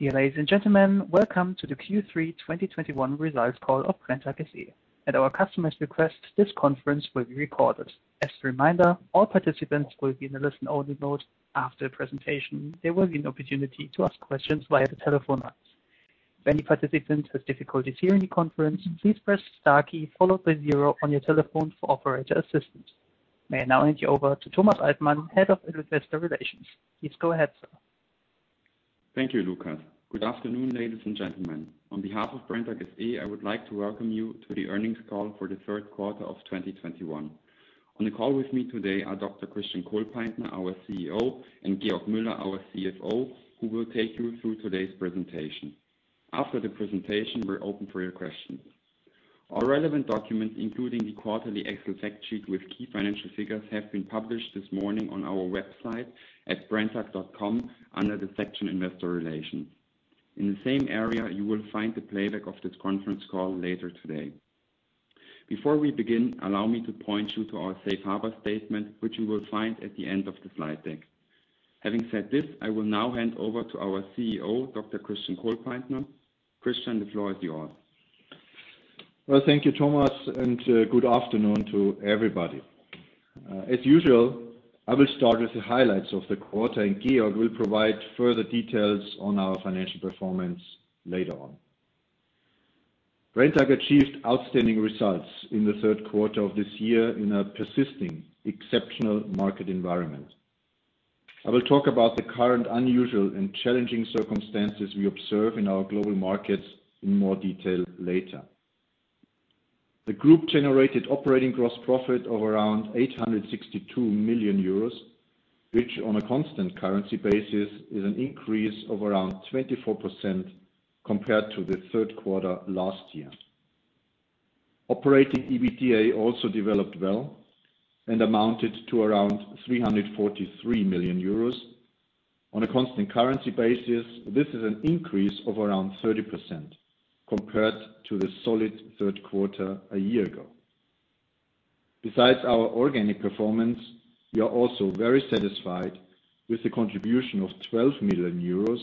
Dear ladies and gentlemen, welcome to the Q3 2021 results call of Brenntag SE. At our customer's request, this conference will be recorded. As a reminder, all participants will be in a listen-only mode. After the presentation, there will be an opportunity to ask questions via the telephone lines. If any participant has difficulties hearing the conference, please press star key followed by zero on your telephone for operator assistance. May I now hand you over to Thomas Altmann, Head of Investor Relations. Please go ahead, sir. Thank you, Lucas. Good afternoon, ladies and gentlemen. On behalf of Brenntag SE, I would like to welcome you to the earnings call for the third quarter of 2021. On the call with me today are Dr. Christian Kohlpaintner, our CEO, and Georg Müller, our CFO, who will take you through today's presentation. After the presentation, we're open for your questions. All relevant documents, including the quarterly Excel fact sheet with key financial figures, have been published this morning on our website at brenntag.com under the section Investor Relations. In the same area, you will find the playback of this conference call later today. Before we begin, allow me to point you to our safe harbor statement, which you will find at the end of the slide deck. Having said this, I will now hand over to our CEO, Dr. Christian Kohlpaintner. Christian, the floor is yours. Well, thank you, Thomas, and good afternoon to everybody. As usual, I will start with the highlights of the quarter, and Georg will provide further details on our financial performance later on. Brenntag achieved outstanding results in the third quarter of this year in a persisting exceptional market environment. I will talk about the current unusual and challenging circumstances we observe in our global markets in more detail later. The group generated operating gross profit of around 862 million euros, which on a constant currency basis is an increase of around 24% compared to the third quarter last year. Operating EBITDA also developed well and amounted to around 343 million euros. On a constant currency basis, this is an increase of around 30% compared to the solid third quarter a year ago. Besides our organic performance, we are also very satisfied with the contribution of 12 million euros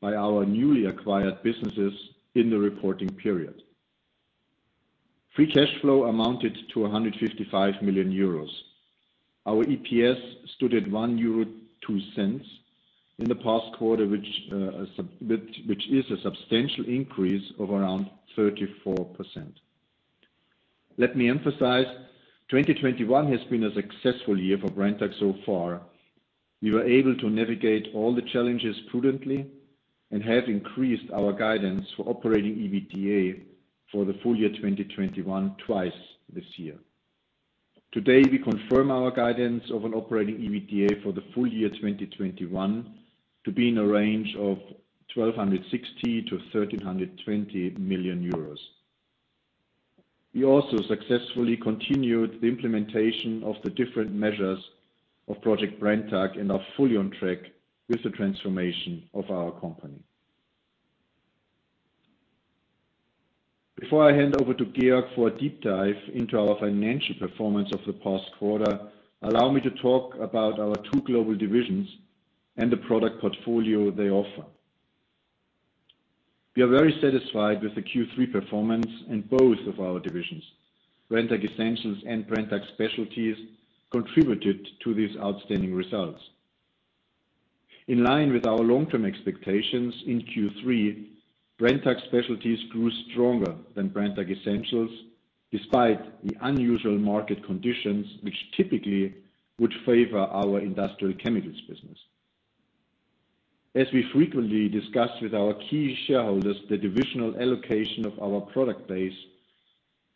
by our newly acquired businesses in the reporting period. Free cash flow amounted to 155 million euros. Our EPS stood at €1.02 in the past quarter, which is a substantial increase of around 34%. Let me emphasize, 2021 has been a successful year for Brenntag so far. We were able to navigate all the challenges prudently and have increased our guidance for operating EBITDA for the full year 2021 twice this year. Today, we confirm our guidance of an operating EBITDA for the full year 2021 to be in a range of 1,260 million-1,320 million euros. We also successfully continued the implementation of the different measures of Project Brenntag and are fully on track with the transformation of our company. Before I hand over to Georg for a deep dive into our financial performance of the past quarter, allow me to talk about our two global divisions and the product portfolio they offer. We are very satisfied with the Q3 performance in both of our divisions. Brenntag Essentials and Brenntag Specialties contributed to these outstanding results. In line with our long-term expectations in Q3, Brenntag Specialties grew stronger than Brenntag Essentials despite the unusual market conditions which typically would favor our industrial chemicals business. As we frequently discuss with our key shareholders the divisional allocation of our product base,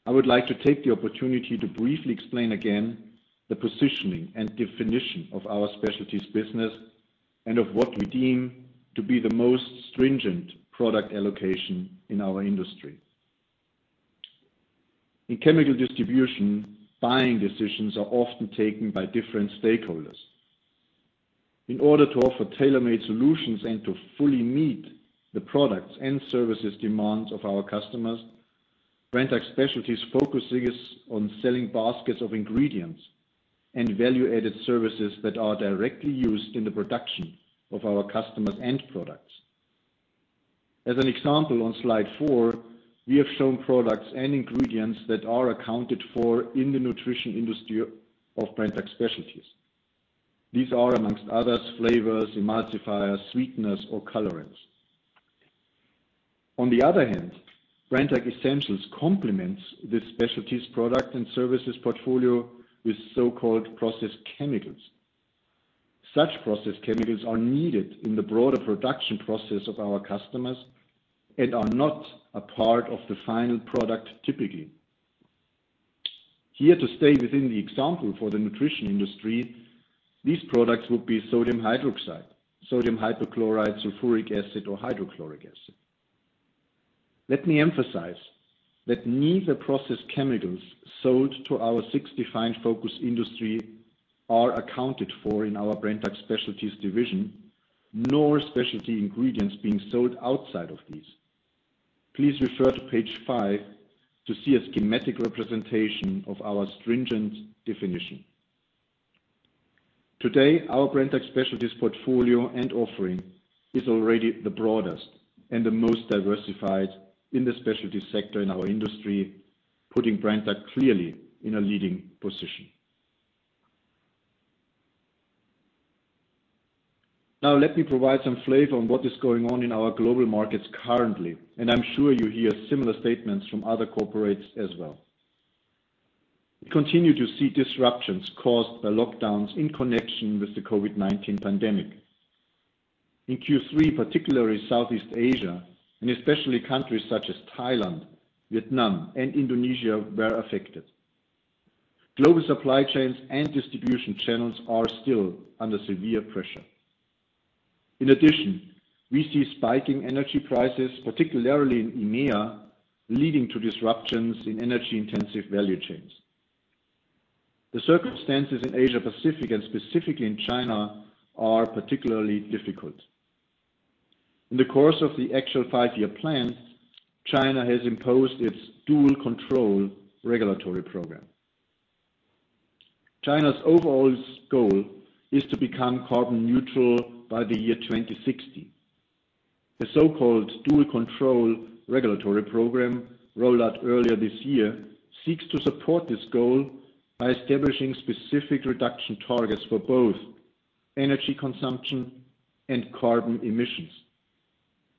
I would like to take the opportunity to briefly explain again the positioning and definition of our specialties business and of what we deem to be the most stringent product allocation in our industry. In chemical distribution, buying decisions are often taken by different stakeholders. In order to offer tailor-made solutions and to fully meet the products and services demands of our customers, Brenntag Specialties focuses on selling baskets of ingredients and value-added services that are directly used in the production of our customers' end products. As an example on slide four, we have shown products and ingredients that are accounted for in the nutrition industry of Brenntag Specialties. These are, among others, flavors, emulsifiers, sweeteners or colorants. On the other hand, Brenntag Essentials complements the specialties product and services portfolio with so-called process chemicals. Such process chemicals are needed in the broader production process of our customers and are not a part of the final product, typically. Here, to stay within the example for the nutrition industry, these products would be sodium hydroxide, sodium hypochlorite, sulfuric acid or hydrochloric acid. Let me emphasize that neither process chemicals sold to our six defined focus industry are accounted for in our Brenntag Specialties division, nor specialty ingredients being sold outside of these. Please refer to page five to see a schematic representation of our stringent definition. Today, our Brenntag Specialties portfolio and offering is already the broadest and the most diversified in the specialty sector in our industry, putting Brenntag clearly in a leading position. Now, let me provide some flavor on what is going on in our global markets currently, and I'm sure you hear similar statements from other corporates as well. We continue to see disruptions caused by lockdowns in connection with the COVID-19 pandemic. In Q3, particularly Southeast Asia, and especially countries such as Thailand, Vietnam, and Indonesia were affected. Global supply chains and distribution channels are still under severe pressure. In addition, we see spiking energy prices, particularly in EMEA, leading to disruptions in energy-intensive value chains. The circumstances in Asia-Pacific, and specifically in China, are particularly difficult. In the course of the actual five-year plan, China has imposed its dual control regulatory program. China's overall goal is to become carbon neutral by the year 2060. The so-called dual control regulatory program, rolled out earlier this year, seeks to support this goal by establishing specific reduction targets for both energy consumption and carbon emissions.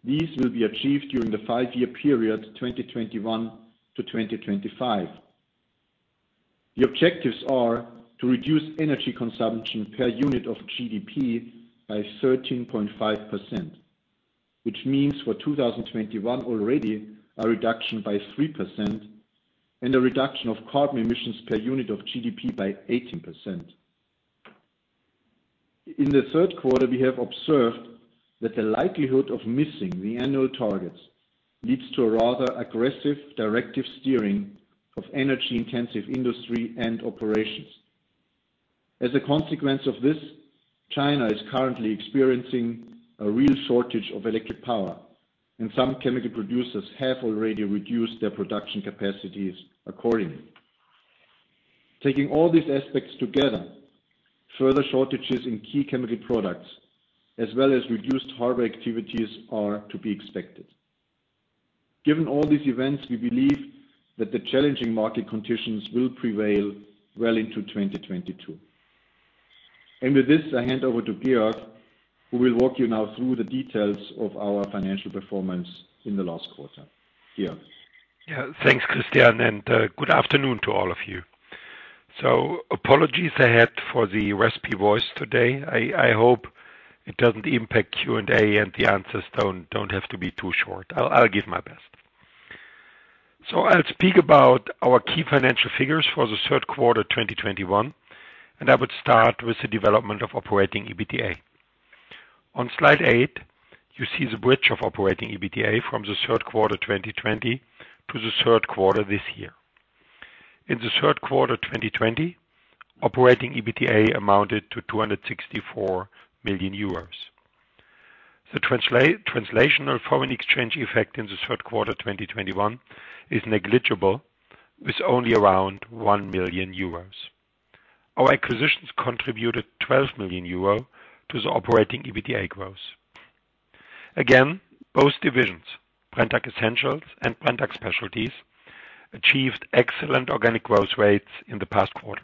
These will be achieved during the five-year period, 2021 to 2025. The objectives are to reduce energy consumption per unit of GDP by 13.5%, which means for 2021 already a reduction by 3% and a reduction of carbon emissions per unit of GDP by 18%. In the third quarter, we have observed that the likelihood of missing the annual targets leads to a rather aggressive directive steering of energy-intensive industry and operations. As a consequence of this, China is currently experiencing a real shortage of electric power, and some chemical producers have already reduced their production capacities accordingly. Taking all these aspects together, further shortages in key chemical products, as well as reduced hardware activities are to be expected. Given all these events, we believe that the challenging market conditions will prevail well into 2022. With this, I hand over to Georg, who will walk you now through the details of our financial performance in the last quarter. Georg? Yeah. Thanks, Christian, and good afternoon to all of you. Apologies ahead for the raspy voice today. I hope it doesn't impact Q&A, and the answers don't have to be too short. I'll give my best. I'll speak about our key financial figures for the third quarter, 2021, and I would start with the development of operating EBITDA. On slide eight, you see the bridge of operating EBITDA from the third quarter, 2020 to the third quarter this year. In the third quarter, 2020, operating EBITDA amounted to 264 million euros. The translational foreign exchange effect in the third quarter, 2021 is negligible, with only around 1 million euros. Our acquisitions contributed 12 million euro to the operating EBITDA growth. Again, both divisions, Brenntag Essentials and Brenntag Specialties, achieved excellent organic growth rates in the past quarter.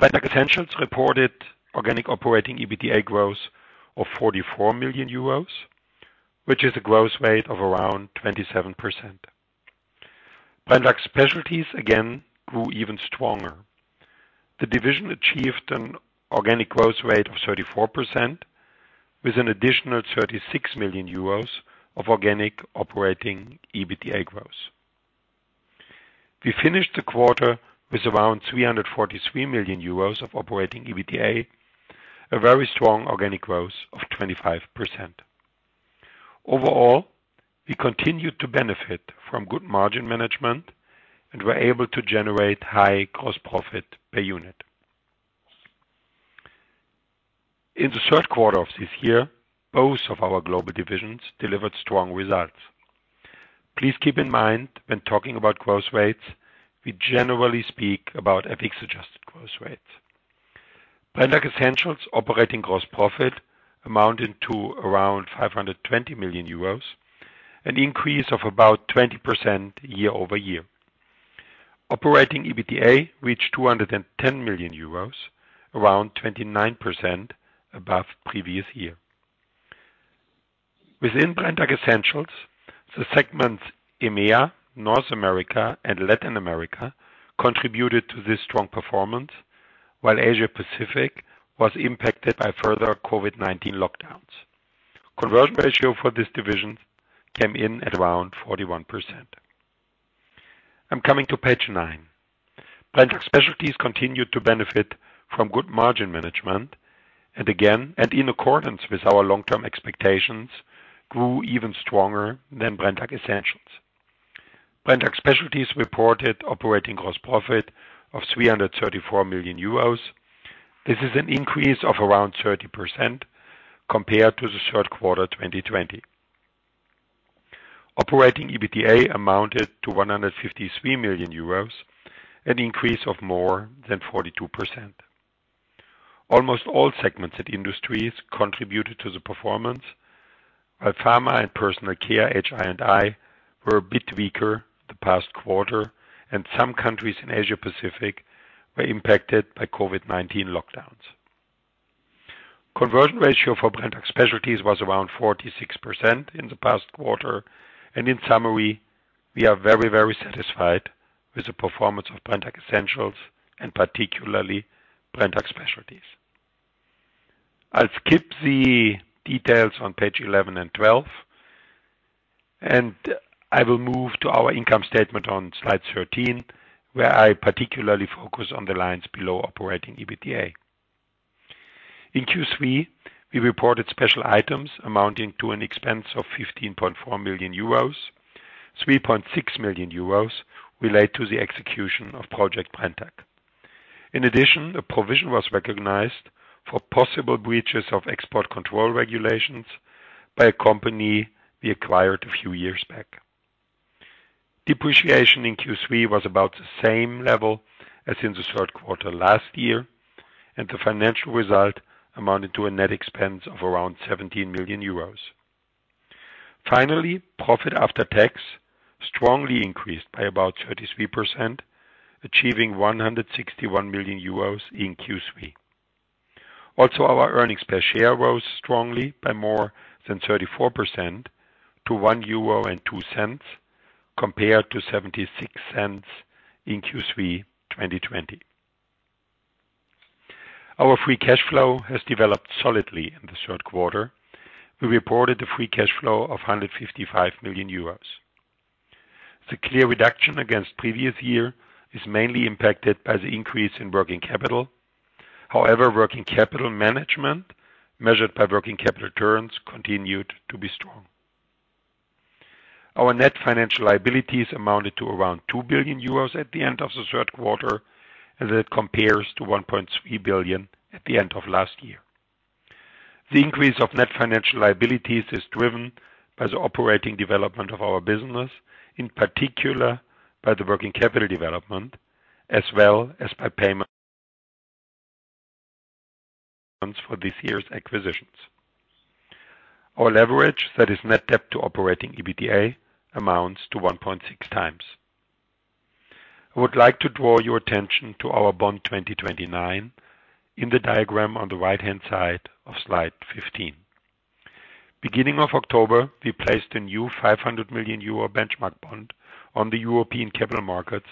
Brenntag Essentials reported organic operating EBITDA growth of 44 million euros, which is a growth rate of around 27%. Brenntag Specialties again grew even stronger. The division achieved an organic growth rate of 34%, with an additional 36 million euros of organic operating EBITDA growth. We finished the quarter with around 343 million euros of operating EBITDA, a very strong organic growth of 25%. Overall, we continued to benefit from good margin management and were able to generate high gross profit per unit. In the third quarter of this year, both of our global divisions delivered strong results. Please keep in mind when talking about growth rates, we generally speak about FX-adjusted growth rates. Brenntag Essentials operating gross profit amounted to around 520 million euros, an increase of about 20% year-over-year. Operating EBITDA reached 210 million euros, around 29% above previous year. Within Brenntag Essentials, the segments EMEA, North America, and Latin America contributed to this strong performance, while Asia-Pacific was impacted by further COVID-19 lockdowns. Conversion ratio for this division came in at around 41%. I'm coming to page nine. Brenntag Specialties continued to benefit from good margin management and again in accordance with our long-term expectations, grew even stronger than Brenntag Essentials. Brenntag Specialties reported operating gross profit of 334 million euros. This is an increase of around 30% compared to the third quarter 2020. Operating EBITDA amounted to 153 million euros, an increase of more than 42%. Almost all segments and industries contributed to the performance, while pharma and personal care, HI&I were a bit weaker the past quarter, and some countries in Asia-Pacific were impacted by COVID-19 lockdowns. Conversion ratio for Brenntag Specialties was around 46% in the past quarter. In summary, we are very, very satisfied with the performance of Brenntag Essentials and particularly Brenntag Specialties. I'll skip the details on page 11 and 12, and I will move to our income statement on slide 13, where I particularly focus on the lines below operating EBITDA. In Q3, we reported special items amounting to an expense of 15.4 million euros. 3.6 million euros relate to the execution of Project Brenntag. In addition, a provision was recognized for possible breaches of export control regulations by a company we acquired a few years back. Depreciation in Q3 was about the same level as in the third quarter last year, and the financial result amounted to a net expense of around 17 million euros. Finally, profit after tax strongly increased by about 33%, achieving 161 million euros in Q3. Also, our earnings per share rose strongly by more than 34% to 1.02 euro, compared to 0.76 in Q3 2020. Our free cash flow has developed solidly in the third quarter. We reported a free cash flow of 155 million euros. The clear reduction against previous year is mainly impacted by the increase in working capital. However, working capital management, measured by working capital returns, continued to be strong. Our net financial liabilities amounted to around 2 billion euros at the end of the third quarter, as it compares to 1.3 billion at the end of last year. The increase of net financial liabilities is driven by the operating development of our business, in particular by the working capital development as well as by payment for this year's acquisitions. Our leverage, that is net debt to operating EBITDA, amounts to 1.6x. I would like to draw your attention to our Bond 2029 in the diagram on the right-hand side of slide 15. Beginning of October, we placed a new 500 million euro benchmark bond on the European capital markets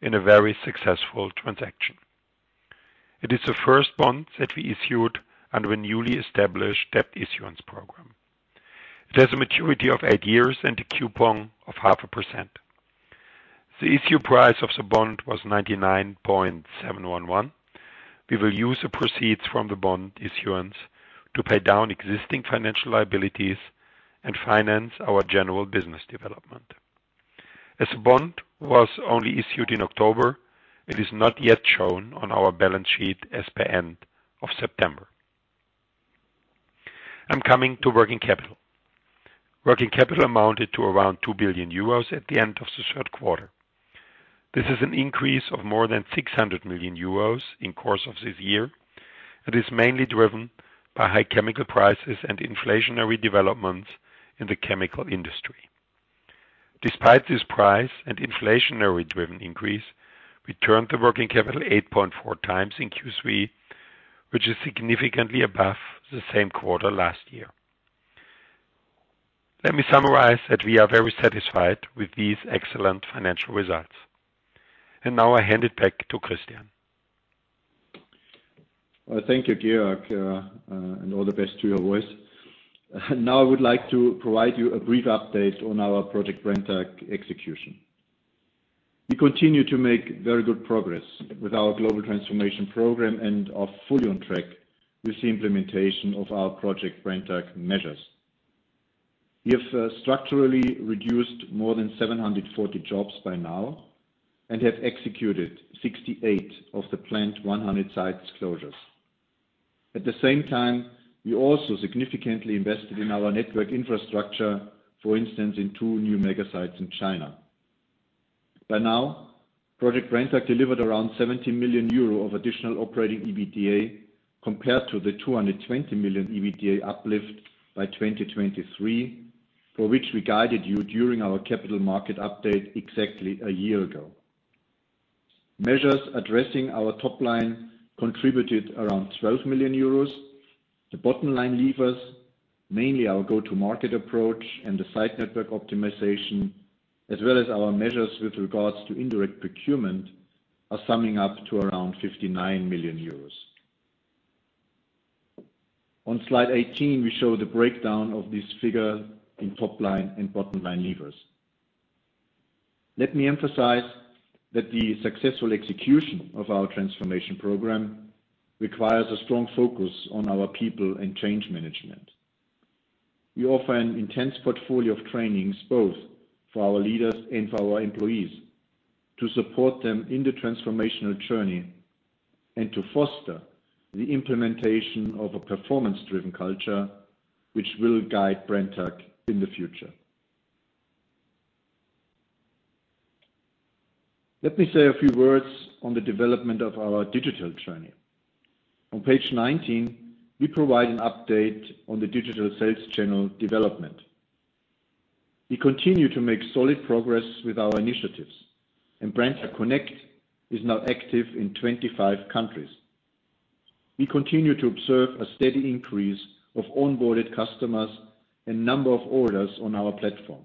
in a very successful transaction. It is the first bond that we issued under a newly established debt issuance program. It has a maturity of eight years and a coupon of 0.5%. The issue price of the bond was 99.711. We will use the proceeds from the bond issuance to pay down existing financial liabilities and finance our general business development. As the bond was only issued in October, it is not yet shown on our balance sheet as per end of September. I'm coming to working capital. Working capital amounted to around 2 billion euros at the end of the third quarter. This is an increase of more than 600 million euros in course of this year, and is mainly driven by high chemical prices and inflationary developments in the chemical industry. Despite this price and inflationary driven increase, we turned the working capital 8.4x in Q3, which is significantly above the same quarter last year. Let me summarize that we are very satisfied with these excellent financial results. Now I hand it back to Christian. Thank you, Georg. All the best to your voice. Now, I would like to provide you a brief update on our Project Brenntag execution. We continue to make very good progress with our global transformation program and are fully on track with the implementation of our Project Brenntag measures. We have structurally reduced more than 740 jobs by now and have executed 68 of the planned 100 sites closures. At the same time, we also significantly invested in our network infrastructure, for instance, in two new mega sites in China. By now, Project Brenntag delivered around 70 million euro of additional operating EBITDA compared to the 220 million EBITDA uplift by 2023, for which we guided you during our capital market update exactly a year ago. Measures addressing our top line contributed around 12 million euros. The bottom line levers, mainly our go-to-market approach and the site network optimization, as well as our measures with regards to indirect procurement, are summing up to around 59 million euros. On slide 18, we show the breakdown of this figure in top line and bottom line levers. Let me emphasize that the successful execution of our transformation program requires a strong focus on our people and change management. We offer an intense portfolio of trainings, both for our leaders and for our employees, to support them in the transformational journey. To foster the implementation of a performance-driven culture, which will guide Brenntag in the future. Let me say a few words on the development of our digital journey. On page 19, we provide an update on the digital sales channel development. We continue to make solid progress with our initiatives, and Brenntag Connect is now active in 25 countries. We continue to observe a steady increase of onboarded customers and number of orders on our platform.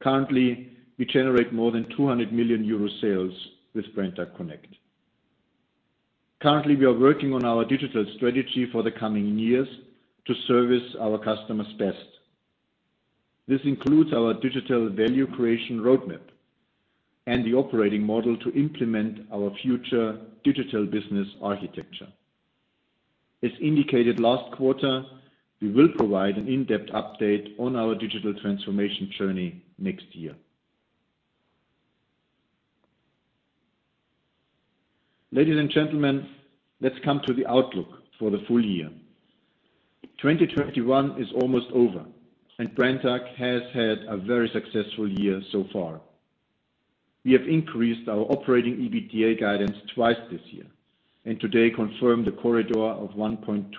Currently, we generate more than 200 million euro sales with Brenntag Connect. Currently, we are working on our digital strategy for the coming years to service our customers best. This includes our digital value creation roadmap and the operating model to implement our future digital business architecture. As indicated last quarter, we will provide an in-depth update on our digital transformation journey next year. Ladies and gentlemen, let's come to the outlook for the full year. 2021 is almost over, and Brenntag has had a very successful year so far. We have increased our operating EBITDA guidance twice this year and today confirmed the corridor of 1.26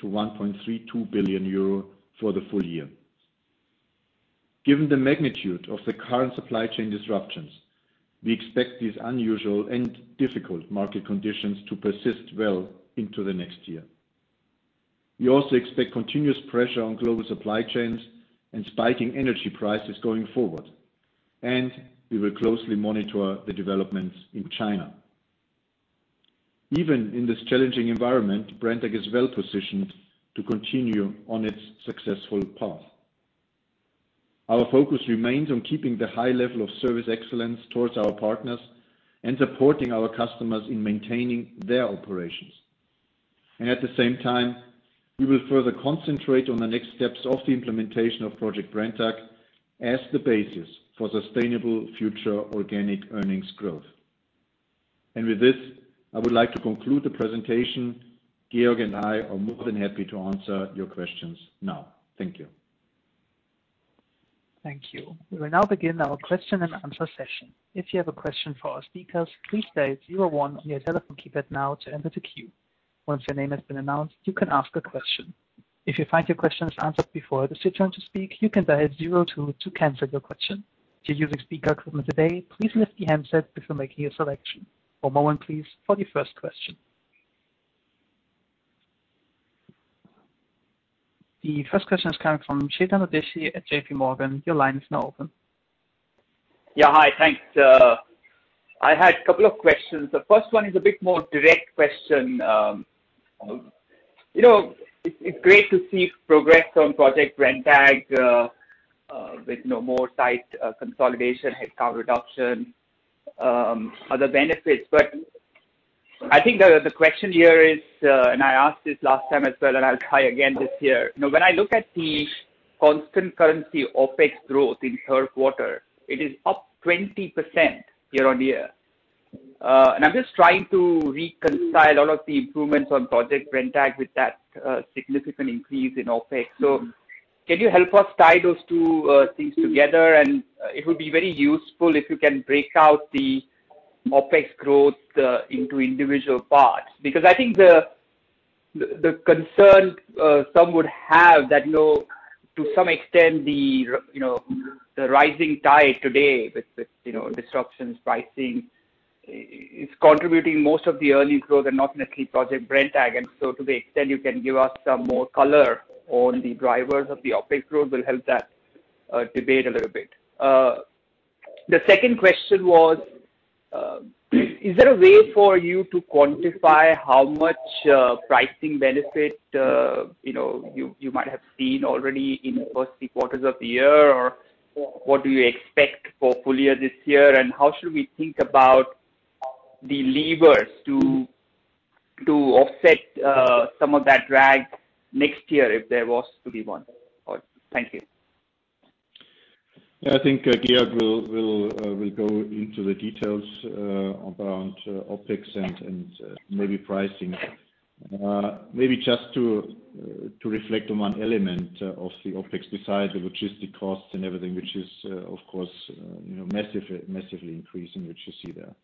billion-1.32 billion euro for the full year. Given the magnitude of the current supply chain disruptions, we expect these unusual and difficult market conditions to persist well into the next year. We also expect continuous pressure on global supply chains and spiking energy prices going forward, and we will closely monitor the developments in China. Even in this challenging environment, Brenntag is well-positioned to continue on its successful path. Our focus remains on keeping the high level of service excellence towards our partners and supporting our customers in maintaining their operations. At the same time, we will further concentrate on the next steps of the implementation of Project Brenntag as the basis for sustainable future organic earnings growth. With this, I would like to conclude the presentation. Georg and I are more than happy to answer your questions now. Thank you. Thank you. We will now begin our question-and-answer session. If you have a question for our speakers, please dial zero-one on your telephone keypad now to enter the queue. Once your name has been announced, you can ask a question. If you find your question is answered before it is your turn to speak, you can dial zero-two to cancel your question. If you're using speaker equipment today, please lift the handset before making a selection. One moment, please, for the first question. The first question is coming from Chetan Udeshi at JPMorgan. Your line is now open. Yeah. Hi. Thanks. I had a couple of questions. The first one is a bit more direct question. You know, it's great to see progress on Project Brenntag with more site consolidation, headcount reduction, other benefits. I think the question here is, and I asked this last time as well, and I'll try again this year. You know, when I look at the constant currency OpEx growth in third quarter, it is up 20% year-on-year. I'm just trying to reconcile all of the improvements on Project Brenntag with that significant increase in OpEx. Can you help us tie those two things together? It would be very useful if you can break out the OpEx growth into individual parts. Because I think the concern some would have that, you know, to some extent the you know the rising tide today with you know disruptions, pricing is contributing most of the earnings growth and not necessarily Project Brenntag. To the extent you can give us some more color on the drivers of the OpEx growth will help that debate a little bit. The second question was, is there a way for you to quantify how much pricing benefit you know you might have seen already in the first three quarters of the year, or what do you expect for full year this year, and how should we think about the levers to offset some of that drag next year if there was to be one? Thank you. I think Georg will go into the details around OpEx and maybe pricing. Maybe just to reflect on one element of the OpEx besides the logistics costs and everything, which is, of course, you know, massively increasing, which you see there.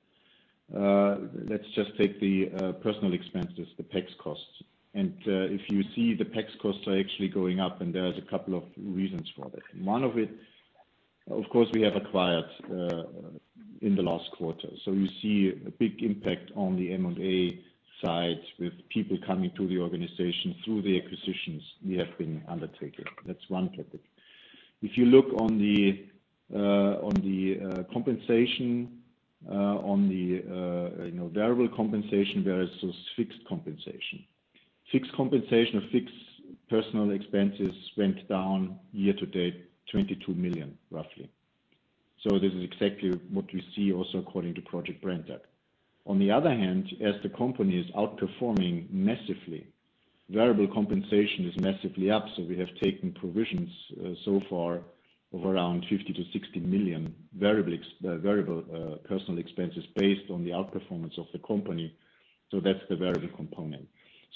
Let's just take the personnel expenses, the PEX costs. If you see the PEX costs are actually going up, and there is a couple of reasons for that. One of it, of course, we have acquired in the last quarter. You see a big impact on the M&A side with people coming to the organization through the acquisitions we have been undertaking. That's one topic. If you look on the compensation, you know, variable compensation versus fixed compensation. Fixed compensation or fixed personal expenses went down year to date 22 million, roughly. This is exactly what we see also according to Project Brenntag. On the other hand, as the company is outperforming massively. Variable compensation is massively up, so we have taken provisions, so far of around 50 million-60 million variable personal expenses based on the outperformance of the company. That's the variable component.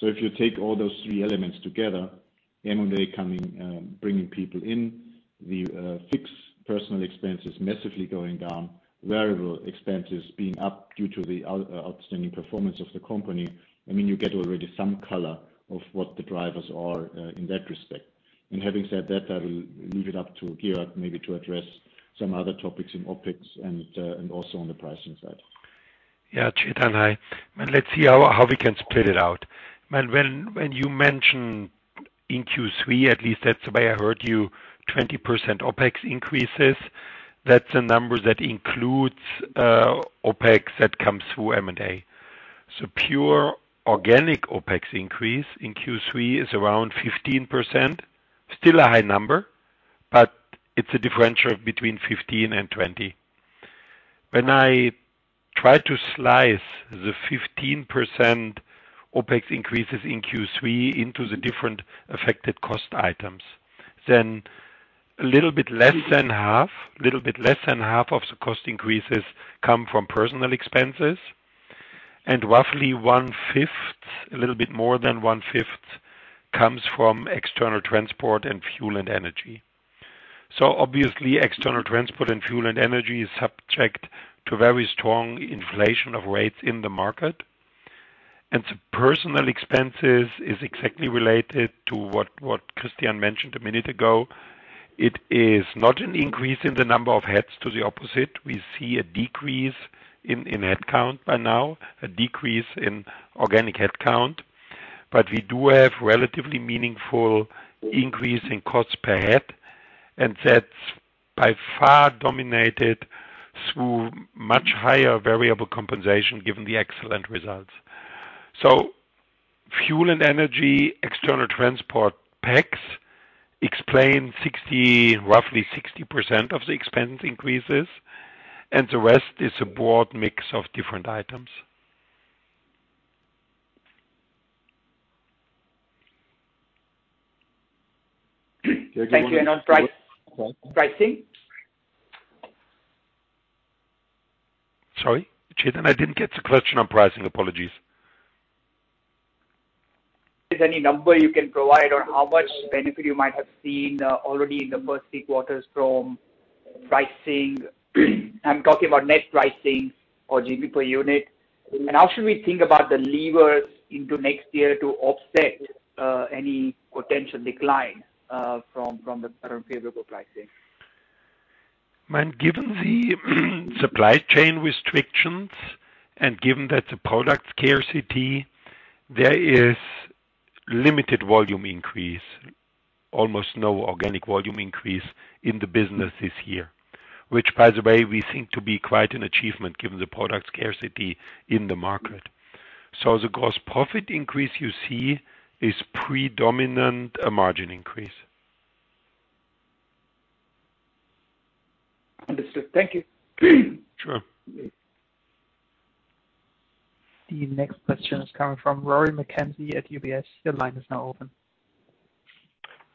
If you take all those three elements together, M&A coming, bringing people in, the fixed personal expenses massively going down, variable expenses being up due to the outstanding performance of the company, I mean, you get already some color of what the drivers are, in that respect. Having said that, I will leave it up to Gerhard maybe to address some other topics in OpEx and also on the pricing side. Yeah. Chetan, hi. let's see how we can split it out. Man, when you mention in Q3, at least that's the way I heard you, 20% OpEx increases, that's a number that includes OpEx that comes through M&A. Pure organic OpEx increase in Q3 is around 15%. Still a high number, but it's a differential between 15% and 20%. When I try to slice the 15% OpEx increases in Q3 into the different affected cost items, then a little bit less than half of the cost increases come from personnel expenses, and roughly one-fifth, a little bit more than one-fifth, comes from external transport and fuel and energy. Obviously, external transport and fuel and energy is subject to very strong inflation of rates in the market. The personnel expenses is exactly related to what Christian mentioned a minute ago. It is not an increase in the number of heads. To the opposite, we see a decrease in head count by now, a decrease in organic head count, but we do have relatively meaningful increase in costs per head, and that's by far dominated through much higher variable compensation given the excellent results. Fuel and energy, external transport costs explain 60, roughly 60% of the expense increases, and the rest is a broad mix of different items. Thank you. On pricing? Sorry, Chetan, I didn't get the question on pricing. Apologies. Is there any number you can provide on how much benefit you might have seen already in the first three quarters from pricing? I'm talking about net pricing or GP per unit. How should we think about the levers into next year to offset any potential decline from the current favorable pricing? Man, given the supply chain restrictions and given that the product scarcity, there is limited volume increase, almost no organic volume increase in the business this year. Which by the way, we think to be quite an achievement given the product scarcity in the market. The gross profit increase you see is predominantly a margin increase. Understood. Thank you. Sure. The next question is coming from Rory McKenzie at UBS. Your line is now open.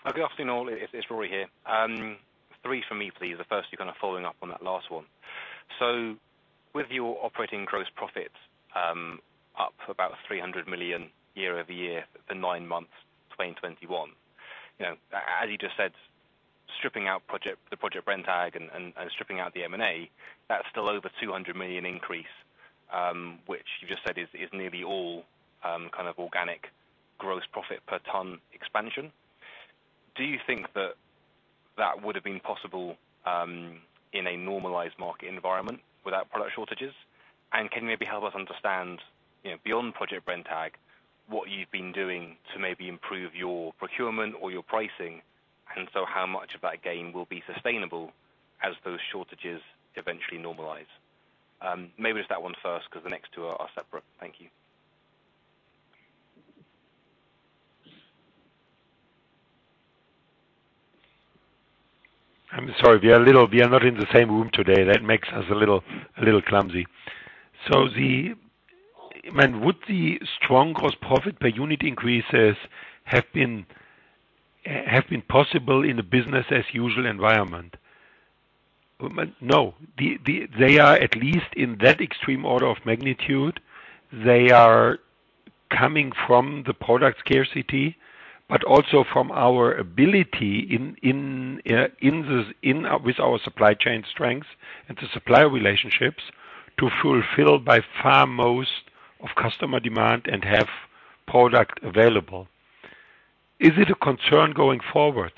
Good afternoon, all. It's Rory McKenzie here. Three for me, please. The first is kinda following up on that last one. With your operating gross profits up about 300 million year-over-year for nine months, 2021, you know, as you just said, stripping out Project Brenntag and stripping out the M&A, that's still over 200 million increase, which you just said is nearly all kind of organic gross profit per ton expansion. Do you think that would have been possible in a normalized market environment without product shortages? Can you maybe help us understand, you know, beyond Project Brenntag, what you've been doing to maybe improve your procurement or your pricing, and how much of that gain will be sustainable as those shortages eventually normalize? Maybe just that one first, 'cause the next two are separate. Thank you. I'm sorry. We are not in the same room today. That makes us a little clumsy. Would the strong gross profit per unit increases have been possible in the business-as-usual environment? Man, no. They are at least in that extreme order of magnitude. They are coming from the product scarcity, but also from our ability in this with our supply chain strengths and the supplier relationships to fulfill by far most of customer demand and have product available. Is it a concern going forward?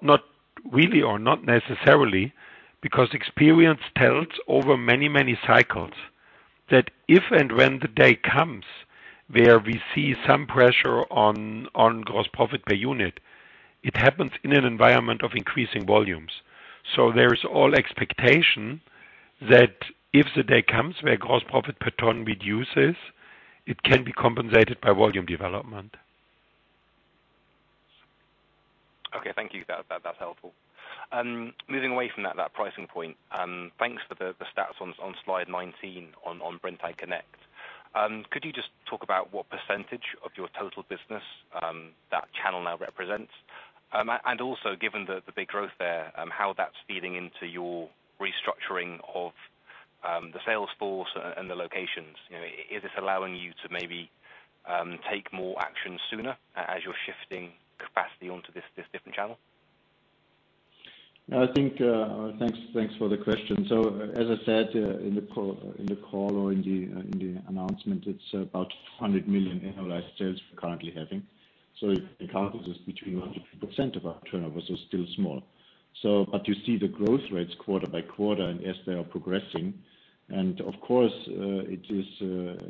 Not really or not necessarily, because experience tells over many cycles that if and when the day comes where we see some pressure on gross profit per unit, it happens in an environment of increasing volumes. There is all expectation that if the day comes where gross profit per ton reduces, it can be compensated by volume development. Okay. Thank you. That's helpful. Moving away from that pricing point, thanks for the stats on slide 19 on Brenntag Connect. Could you just talk about what percentage of your total business that channel now represents? Also given the big growth there, how that's feeding into your restructuring of the sales force and the locations. You know, is this allowing you to maybe take more action sooner as you're shifting capacity onto this different channel? Thanks for the question. As I said, in the call or in the announcement, it's about 100 million annual sales we're currently having. It encompasses less than 100% of our turnover, so still small. But you see the growth rates quarter by quarter and yes, they are progressing. Of course, you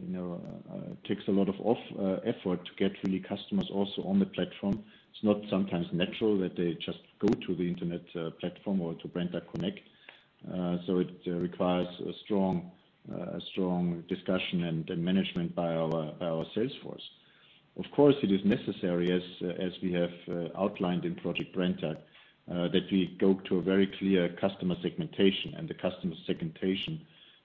know, it takes a lot of effort to get really customers also on the platform. It's sometimes not natural that they just go to the internet platform or to Brenntag Connect. It requires a strong discussion and management by our sales force. Of course, it is necessary as we have outlined in Project Brenntag that we go to a very clear customer segmentation, and the customer segmentation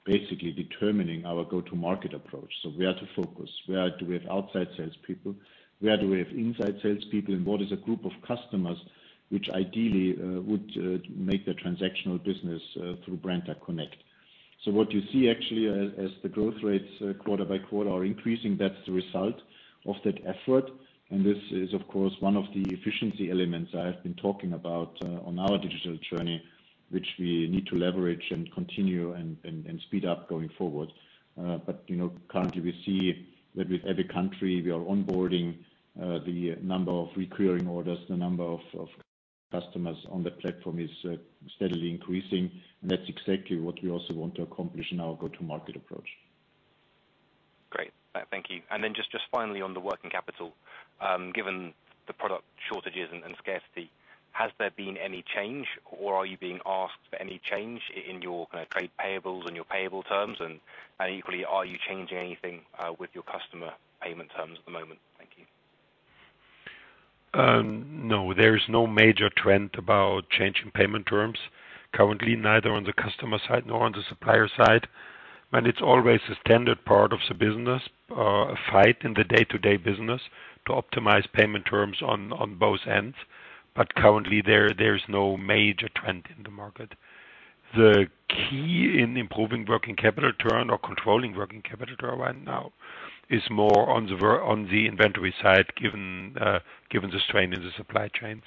basically determining our go-to market approach. Where to focus, where do we have outside salespeople, where do we have inside salespeople, and what is a group of customers which ideally would make the transactional business through Brenntag Connect. What you see actually as the growth rates quarter by quarter are increasing, that's the result of that effort. This is of course one of the efficiency elements I have been talking about on our digital journey, which we need to leverage and continue and speed up going forward. you know, currently we see that with every country we are onboarding, the number of recurring orders, the number of customers on that platform is steadily increasing. That's exactly what we also want to accomplish in our go-to market approach. Great. Thank you. Just finally on the working capital, given the product shortages and scarcity, has there been any change or are you being asked for any change in your kind of trade payables and your payable terms? Equally, are you changing anything with your customer payment terms at the moment? Thank you. No. There is no major trend about changing payment terms currently, neither on the customer side nor on the supplier side. It's always a standard part of the business, fight in the day-to-day business to optimize payment terms on both ends. Currently there's no major trend in the market. The key in improving working capital turn or controlling working capital turn right now is more on the inventory side, given the strain in the supply chains.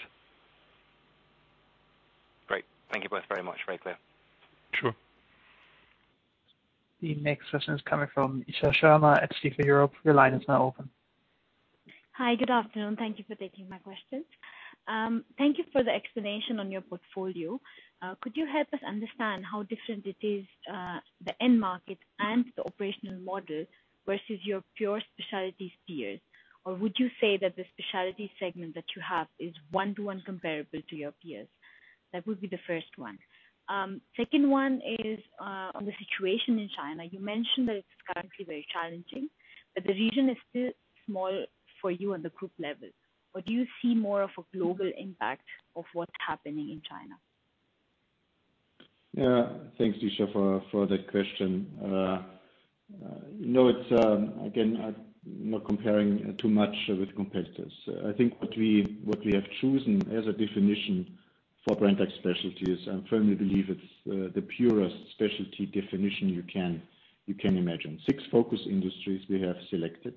Great. Thank you both very much. Very clear. Sure. The next question is coming from Isha Sharma at Stifel Europe. Your line is now open. Hi. Good afternoon. Thank you for taking my questions. Thank you for the explanation on your portfolio. Could you help us understand how different it is, the end market and the operational model versus your pure specialty peers? Would you say that the specialty segment that you have is one-to-one comparable to your peers? That would be the first one. Second one is on the situation in China. You mentioned that it's currently very challenging, but the region is still small for you on the group level. Do you see more of a global impact of what's happening in China? Yeah. Thanks, Isha for the question. You know, it's again not comparing too much with competitors. I think what we have chosen as a definition for Brenntag Specialties, I firmly believe it's the purest specialty definition you can imagine. Six focus industries we have selected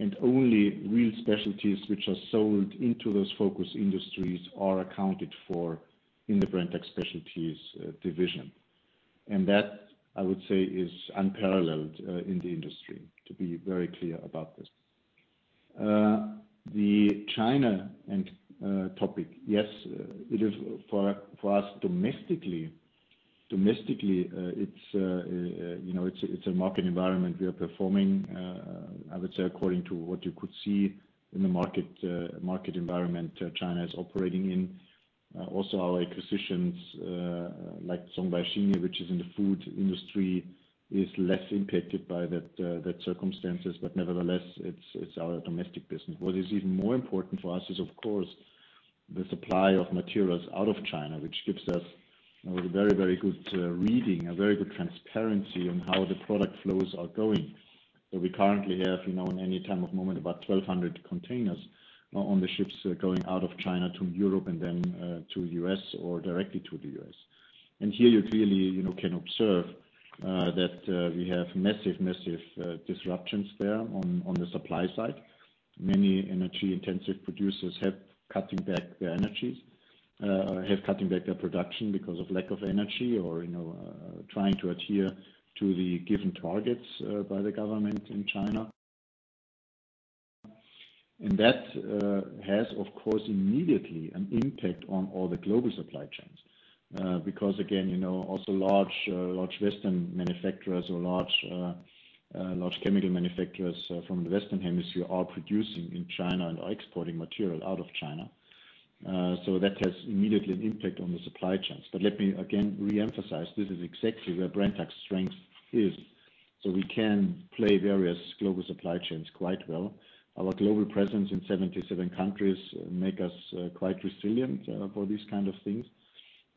and only real specialties which are sold into those focus industries are accounted for in the Brenntag Specialties division. That, I would say, is unparalleled in the industry, to be very clear about this. The China topic, yeah, it is for us domestically. Domestically, you know, it's a market environment we are performing, I would say according to what you could see in the market environment China is operating in. Also our acquisitions, like Zhongbai Xingye, which is in the food industry, is less impacted by that circumstances. Nevertheless, it's our domestic business. What is even more important for us is of course the supply of materials out of China, which gives us a very good reading, a very good transparency on how the product flows are going. We currently have, you know, at any moment about 1,200 containers on the ships going out of China to Europe and then to U.S. or directly to the U.S. Here you clearly, you know, can observe that we have massive disruptions there on the supply side. Many energy intensive producers have cutting back their production because of lack of energy or trying to adhere to the given targets by the government in China. That has of course immediately an impact on all the global supply chains. Because again also large Western manufacturers or large chemical manufacturers from the Western Hemisphere are producing in China and are exporting material out of China. That has immediately an impact on the supply chains. Let me again reemphasize, this is exactly where Brenntag's strength is. We can play various global supply chains quite well. Our global presence in 77 countries make us quite resilient for these kind of things.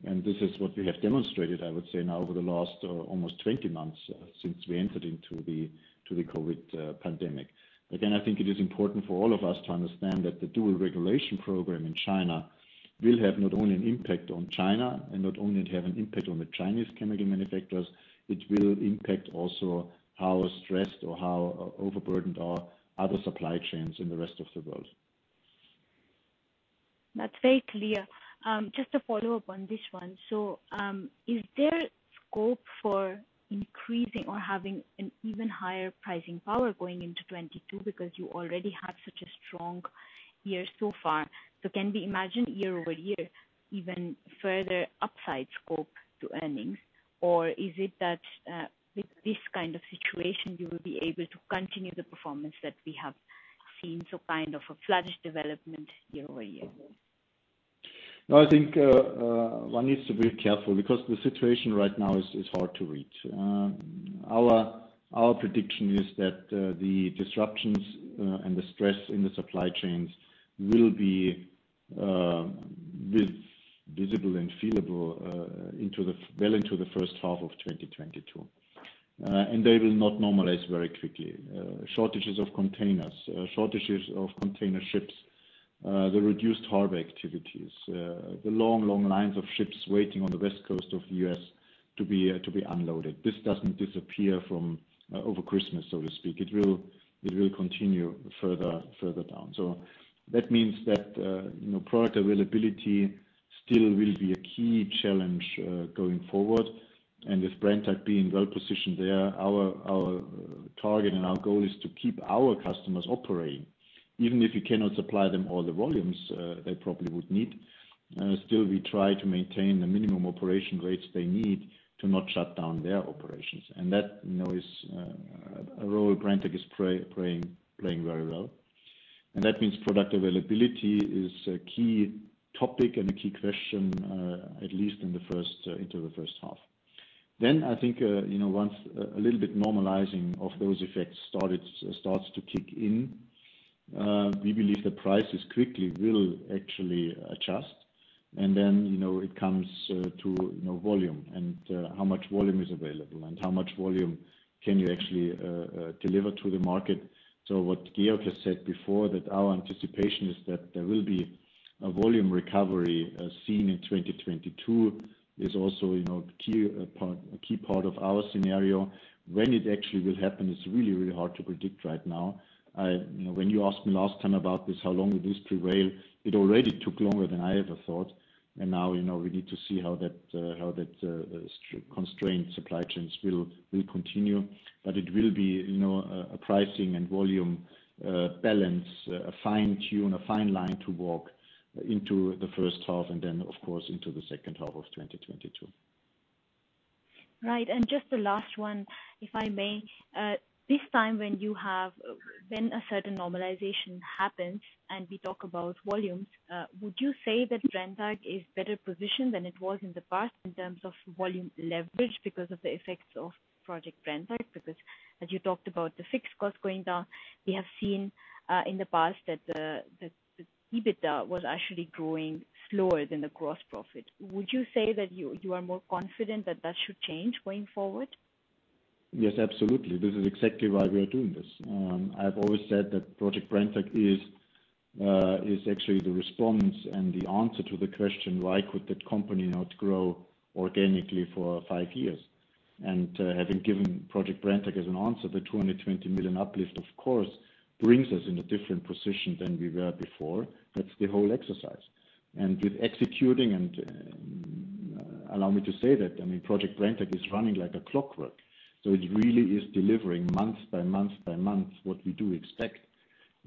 This is what we have demonstrated, I would say now over the last almost 20 months since we entered into the COVID pandemic. I think it is important for all of us to understand that the dual control regulatory program in China will have not only an impact on China and an impact on the Chinese chemical manufacturers, it will impact also how stressed or how overburdened are other supply chains in the rest of the world. That's very clear. Just to follow-up on this one. Is there scope for increasing or having an even higher pricing power going into 2022 because you already had such a strong year so far? Can we imagine year-over-year, even further upside scope to earnings? Or is it that, with this kind of situation, you will be able to continue the performance that we have seen, so kind of a flattish development year-over-year? No, I think one needs to be careful because the situation right now is hard to read. Our prediction is that the disruptions and the stress in the supply chains will be visible and feelable well into the first half of 2022. They will not normalize very quickly. Shortages of containers, shortages of container ships, the reduced harbor activities, the long lines of ships waiting on the West Coast of the U.S. to be unloaded. This doesn't disappear from over Christmas, so to speak. It will continue further down. That means that, you know, product availability still will be a key challenge going forward. With Brenntag being well-positioned there, our target and our goal is to keep our customers operating. Even if you cannot supply them all the volumes they probably would need, still we try to maintain the minimum operation rates they need to not shut down their operations. That, you know, is a role Brenntag is playing very well. That means product availability is a key topic and a key question, at least in the first, into the H1. I think, you know, once a little bit normalizing of those effects starts to kick in, we believe the prices quickly will actually adjust. Then, you know, it comes to, you know, volume and how much volume is available and how much volume can you actually deliver to the market. What Georg has said before that our anticipation is that there will be a volume recovery seen in 2022 is also, you know, a key part of our scenario. When it actually will happen is really hard to predict right now. You know, when you asked me last time about this, how long will this prevail? It already took longer than I ever thought. Now, you know, we need to see how that constrained supply chains will continue. It will be, you know, a pricing and volume balance, a fine line to walk into the H1 and then of course, into the H2 of 2022. Right. Just the last one, if I may. This time when you have, when a certain normalization happens and we talk about volumes, would you say that Brenntag is better positioned than it was in the past in terms of volume leverage because of the effects of Project Brenntag? Because as you talked about the fixed costs going down, we have seen in the past that the EBITDA was actually growing slower than the gross profit. Would you say that you are more confident that that should change going forward? Yes, absolutely. This is exactly why we are doing this. I've always said that Project Brenntag is actually the response and the answer to the question, why could the company not grow organically for five years? Having given Project Brenntag as an answer, the 220 million uplift, of course, brings us in a different position than we were before. That's the whole exercise. With executing, allow me to say that, I mean, Project Brenntag is running like clockwork, so it really is delivering month by month what we do expect.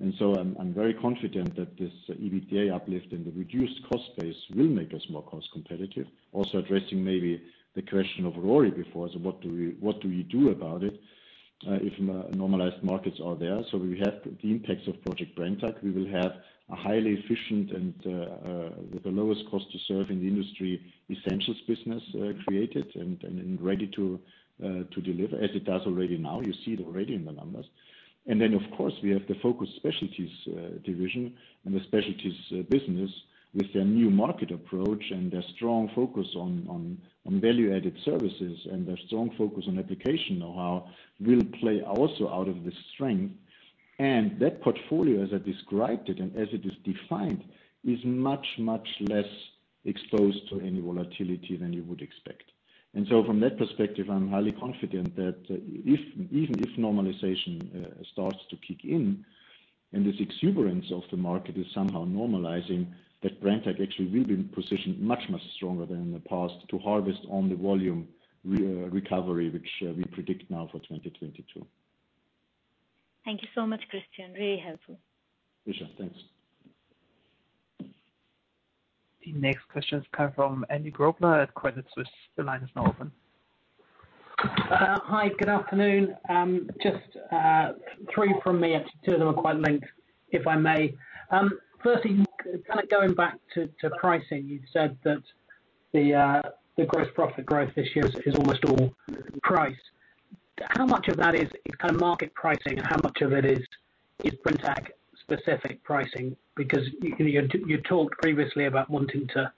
I'm very confident that this EBITDA uplift and the reduced cost base will make us more cost competitive. Also addressing maybe the question of Rory before. What do we do about it, if normalized markets are there? We have the impacts of Project Brenntag. We will have a highly efficient and with the lowest cost to serve in the industry Essentials business, created and ready to deliver as it does already now. You see it already in the numbers. Of course, we have the focused Specialties division and the Specialties business with their new market approach and their strong focus on value-added services and their strong focus on application know-how will play also out of this strength. That portfolio, as I described it and as it is defined, is much less exposed to any volatility than you would expect. From that perspective, I'm highly confident that if, even if normalization starts to kick in and this exuberance of the market is somehow normalizing, that Brenntag actually will be positioned much, much stronger than in the past to harvest on the volume recovery, which we predict now for 2022. Thank you so much, Christian. Really helpful. Isha, thanks. The next question is coming from Andy Grobler at Credit Suisse. The line is now open. Hi, good afternoon. Just three from me. Actually, two of them are quite linked, if I may. First, kind of going back to pricing, you've said that the gross profit growth this year is almost all price. How much of that is kind of market pricing? How much of it is Brenntag-specific pricing? Because you talked previously about wanting to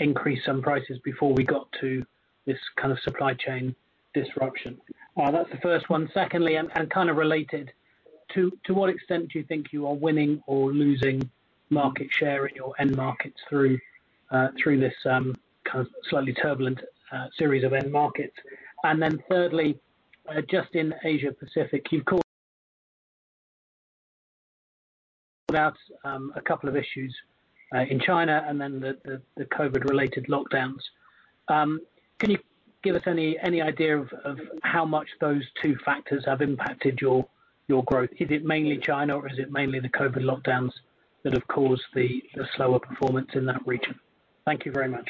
increase some prices before we got to this kind of supply chain disruption. That's the first one. Second, kind of related, to what extent do you think you are winning or losing market share in your end markets through this kind of slightly turbulent series of end markets? Thirdly, just in Asia Pacific, you've called out a couple of issues in China and then the COVID-related lockdowns. Can you give us any idea of how much those two factors have impacted your growth? Is it mainly China, or is it mainly the COVID lockdowns that have caused the slower performance in that region? Thank you very much.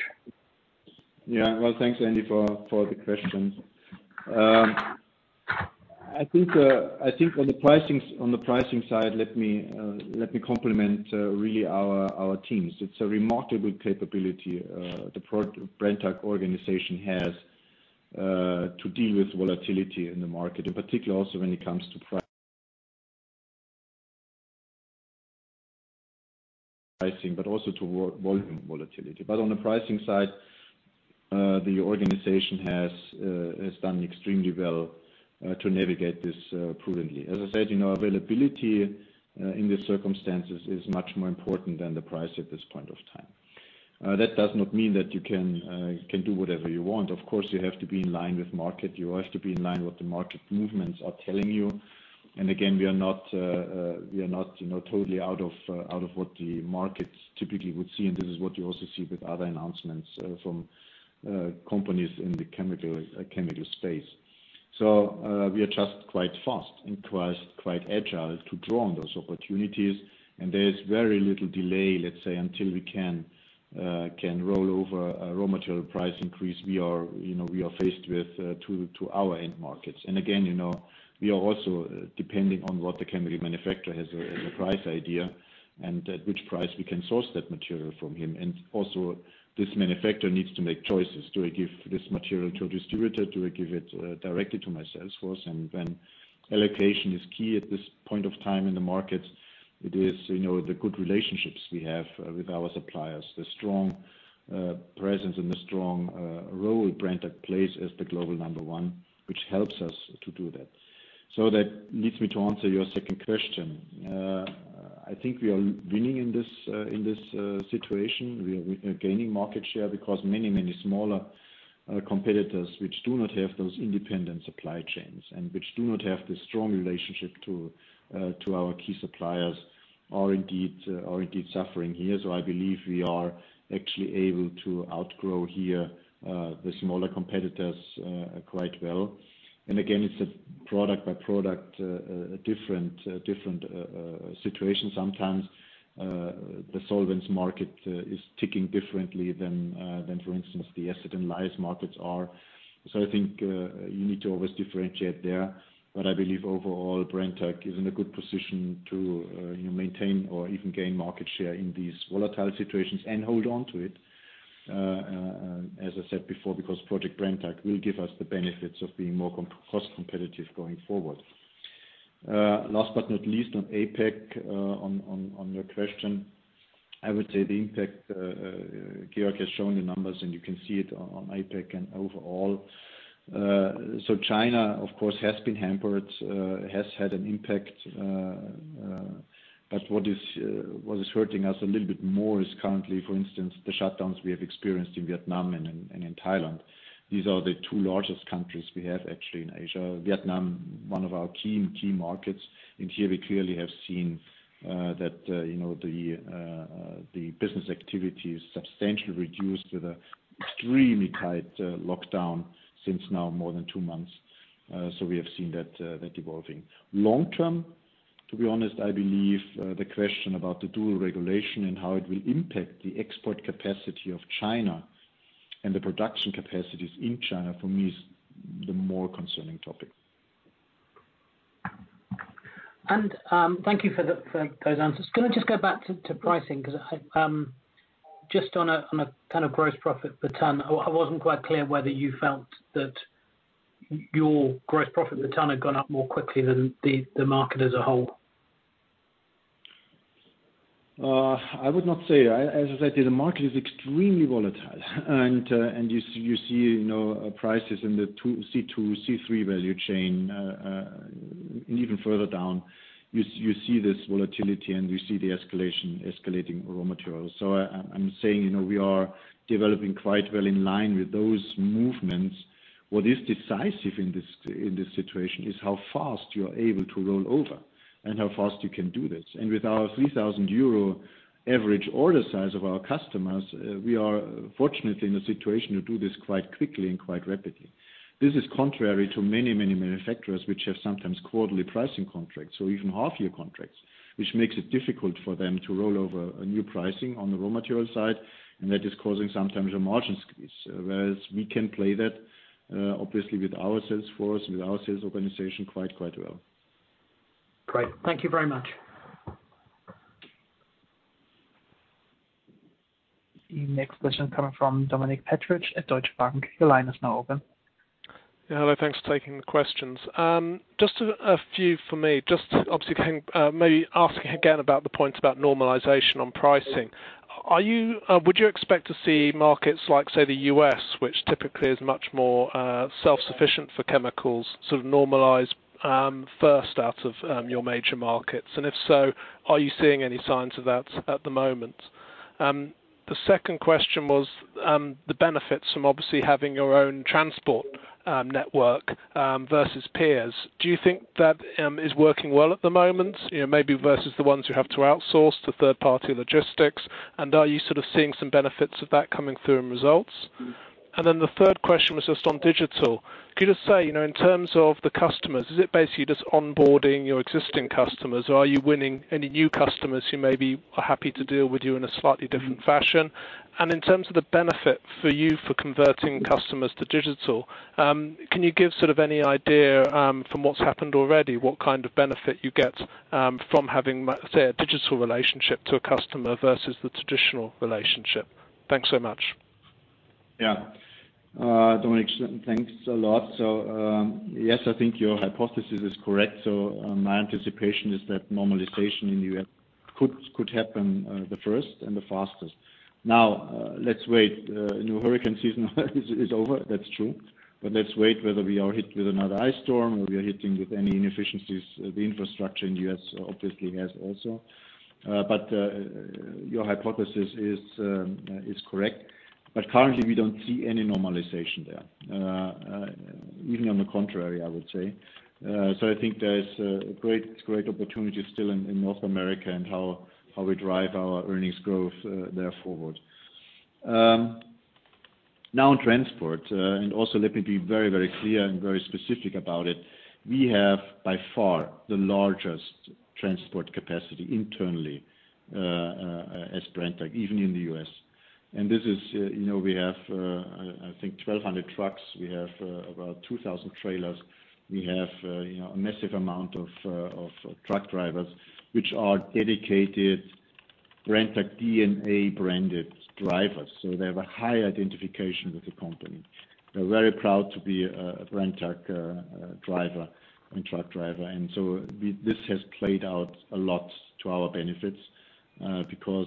Yeah. Well, thanks, Andy, for the questions. I think on the pricing side, let me compliment really our teams. It's a remarkably good capability the Brenntag organization has to deal with volatility in the market, in particular, also when it comes to pricing, but also to volume volatility. But on the pricing side, the organization has done extremely well to navigate this prudently. As I said, you know, availability in these circumstances is much more important than the price at this point of time. That does not mean that you can do whatever you want. Of course, you have to be in line with market. You have to be in line what the market movements are telling you. We are not, you know, totally out of what the markets typically would see. This is what you also see with other announcements from companies in the chemical space. We adjust quite fast and quite agile to draw on those opportunities. There's very little delay, let's say, until we can roll over a raw material price increase we are faced with to our end markets. You know, we are also depending on what the chemical manufacturer has a price idea and at which price we can source that material from him. This manufacturer needs to make choices. Do I give this material to a distributor? Do I give it directly to my sales force? When allocation is key at this point of time in the market, it is, you know, the good relationships we have with our suppliers, the strong presence and the strong role Brenntag plays as the global number one, which helps us to do that. That leads me to answer your second question. I think we are winning in this situation. We are gaining market share because many smaller competitors, which do not have those independent supply chains and which do not have the strong relationship to our key suppliers are indeed suffering here. I believe we are actually able to outgrow the smaller competitors quite well. Again, it's a product-by-product different situation. Sometimes, the solvents market is ticking differently than for instance, the acid and lye markets are. I think you need to always differentiate there. But I believe overall, Brenntag is in a good position to, you know, maintain or even gain market share in these volatile situations and hold on to it, as I said before, because Project Brenntag will give us the benefits of being more cost competitive going forward. Last but not least, on APAC, on your question, I would say the impact, Georg has shown the numbers, and you can see it on APAC and overall. China, of course, has been hampered, has had an impact. What is hurting us a little bit more is currently, for instance, the shutdowns we have experienced in Vietnam and in Thailand. These are the two largest countries we have actually in Asia. Vietnam, one of our key markets. Here, we clearly have seen that you know the business activity is substantially reduced with an extremely tight lockdown since now more than two months. So we have seen that evolving. Long-term, to be honest, I believe the question about the dual control and how it will impact the export capacity of China and the production capacities in China, for me, is the more concerning topic. Thank you for those answers. Can I just go back to pricing? 'Cause I just on a kind of gross profit per ton, I wasn't quite clear whether you felt that your gross profit per ton had gone up more quickly than the market as a whole. I would not say. As I said, the market is extremely volatile. You see, you know, prices in the C2, C3 value chain, and even further down, you see this volatility, and you see the escalating raw materials. I'm saying, you know, we are developing quite well in line with those movements. What is decisive in this situation is how fast you are able to roll over and how fast you can do this. With our 3,000 euro average order size of our customers, we are fortunately in a situation to do this quite quickly and quite rapidly. This is contrary to many manufacturers which have sometimes quarterly pricing contracts or even half-year contracts, which makes it difficult for them to roll over a new pricing on the raw material side. That is causing sometimes a margin squeeze. Whereas we can play that, obviously with our sales force and with our sales organization quite well. Great. Thank you very much. The next question coming from Dominic Edridge at Deutsche Bank. Your line is now open. Yeah. Hello. Thanks for taking the questions. Just a few for me. Just obviously coming, maybe asking again about the points about normalization on pricing. Would you expect to see markets like, say, the U.S., which typically is much more self-sufficient for chemicals, sort of normalize first out of your major markets? If so, are you seeing any signs of that at the moment? The second question was the benefits from obviously having your own transport network versus peers. Do you think that is working well at the moment, you know, maybe versus the ones who have to outsource to third-party logistics? Are you sort of seeing some benefits of that coming through in results? Then the third question was just on digital. Could you just say, you know, in terms of the customers, is it basically just onboarding your existing customers, or are you winning any new customers who maybe are happy to deal with you in a slightly different fashion? In terms of the benefit for you for converting customers to digital, can you give sort of any idea, from what's happened already, what kind of benefit you get, from having say, a digital relationship to a customer versus the traditional relationship? Thanks so much. Yeah. Dominic, thanks a lot. Yes, I think your hypothesis is correct. My anticipation is that normalization in the U.S. could happen the first and the fastest. Now, let's wait. You know, hurricane season is over, that's true, but let's wait whether we are hit with another ice storm or we are hitting with any inefficiencies. The infrastructure in U.S. obviously has also. Your hypothesis is correct. Currently we don't see any normalization there. Even on the contrary, I would say. I think there's a great opportunity still in North America and how we drive our earnings growth there forward. Now transport. Also let me be very clear and very specific about it. We have by far the largest transport capacity internally, as Brenntag, even in the U.S. This is, you know, we have, I think 1,200 trucks. We have about 2,000 trailers. We have, you know, a massive amount of truck drivers, which are dedicated Brenntag DNA-branded drivers. They have a high identification with the company. They're very proud to be a Brenntag driver and truck driver. This has played out a lot to our benefits, because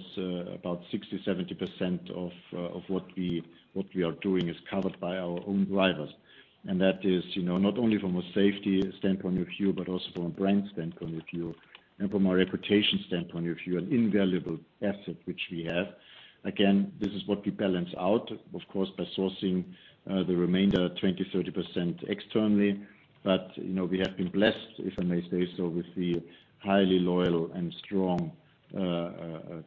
about 60%-70% of what we are doing is covered by our own drivers. That is, you know, not only from a safety standpoint of view, but also from a brand standpoint of view and from a reputation standpoint of view, an invaluable asset which we have. Again, this is what we balance out, of course, by sourcing the remainder 20%-30% externally. You know, we have been blessed, if I may say so, with the highly loyal and strong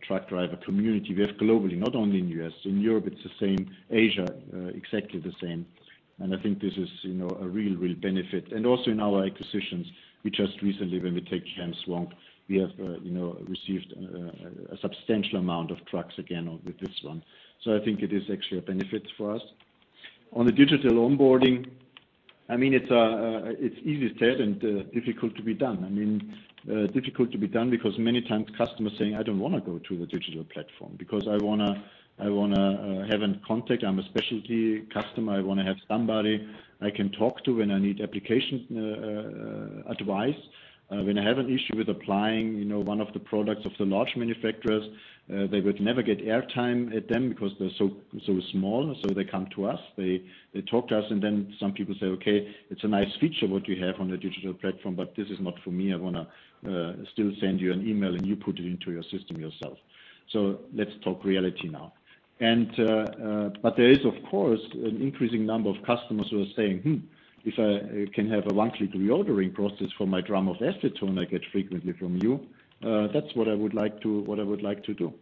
truck driver community we have globally, not only in U.S. In Europe, it's the same. Asia, exactly the same. I think this is, you know, a real benefit. Also in our acquisitions. We just recently, when we took JM Swank, we have, you know, received a substantial amount of trucks again with this one. I think it is actually a benefit for us. On the digital onboarding, I mean, it's easily said and difficult to be done. I mean, difficult to be done because many times customers saying, "I don't wanna go to the digital platform because I wanna have in contact. I'm a specialty customer. I wanna have somebody I can talk to when I need application advice. When I have an issue with applying, you know, one of the products of the large manufacturers, they would never get airtime at them because they're so small. They come to us, they talk to us, and then some people say, "Okay, it's a nice feature what you have on the digital platform, but this is not for me. I wanna still send you an email and you put it into your system yourself." Let's talk reality now. There is of course an increasing number of customers who are saying, "Hmm, if I can have a one-click reordering process for my drum of acetone I get frequently from you, that's what I would like to do."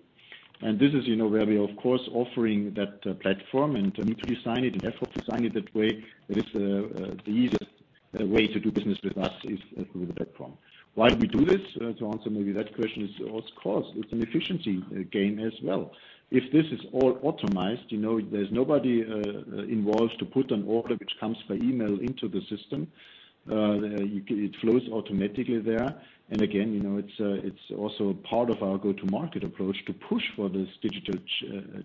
This is, you know, where we are of course offering that platform and need to design it and therefore design it that way. That is the easiest way to do business with us is through the platform. Why we do this? To answer maybe that question is, of course, it's an efficiency gain as well. If this is all automated, you know, there's nobody involved to put an order which comes by email into the system. It flows automatically there. Again, you know, it's also part of our go-to-market approach to push for these digital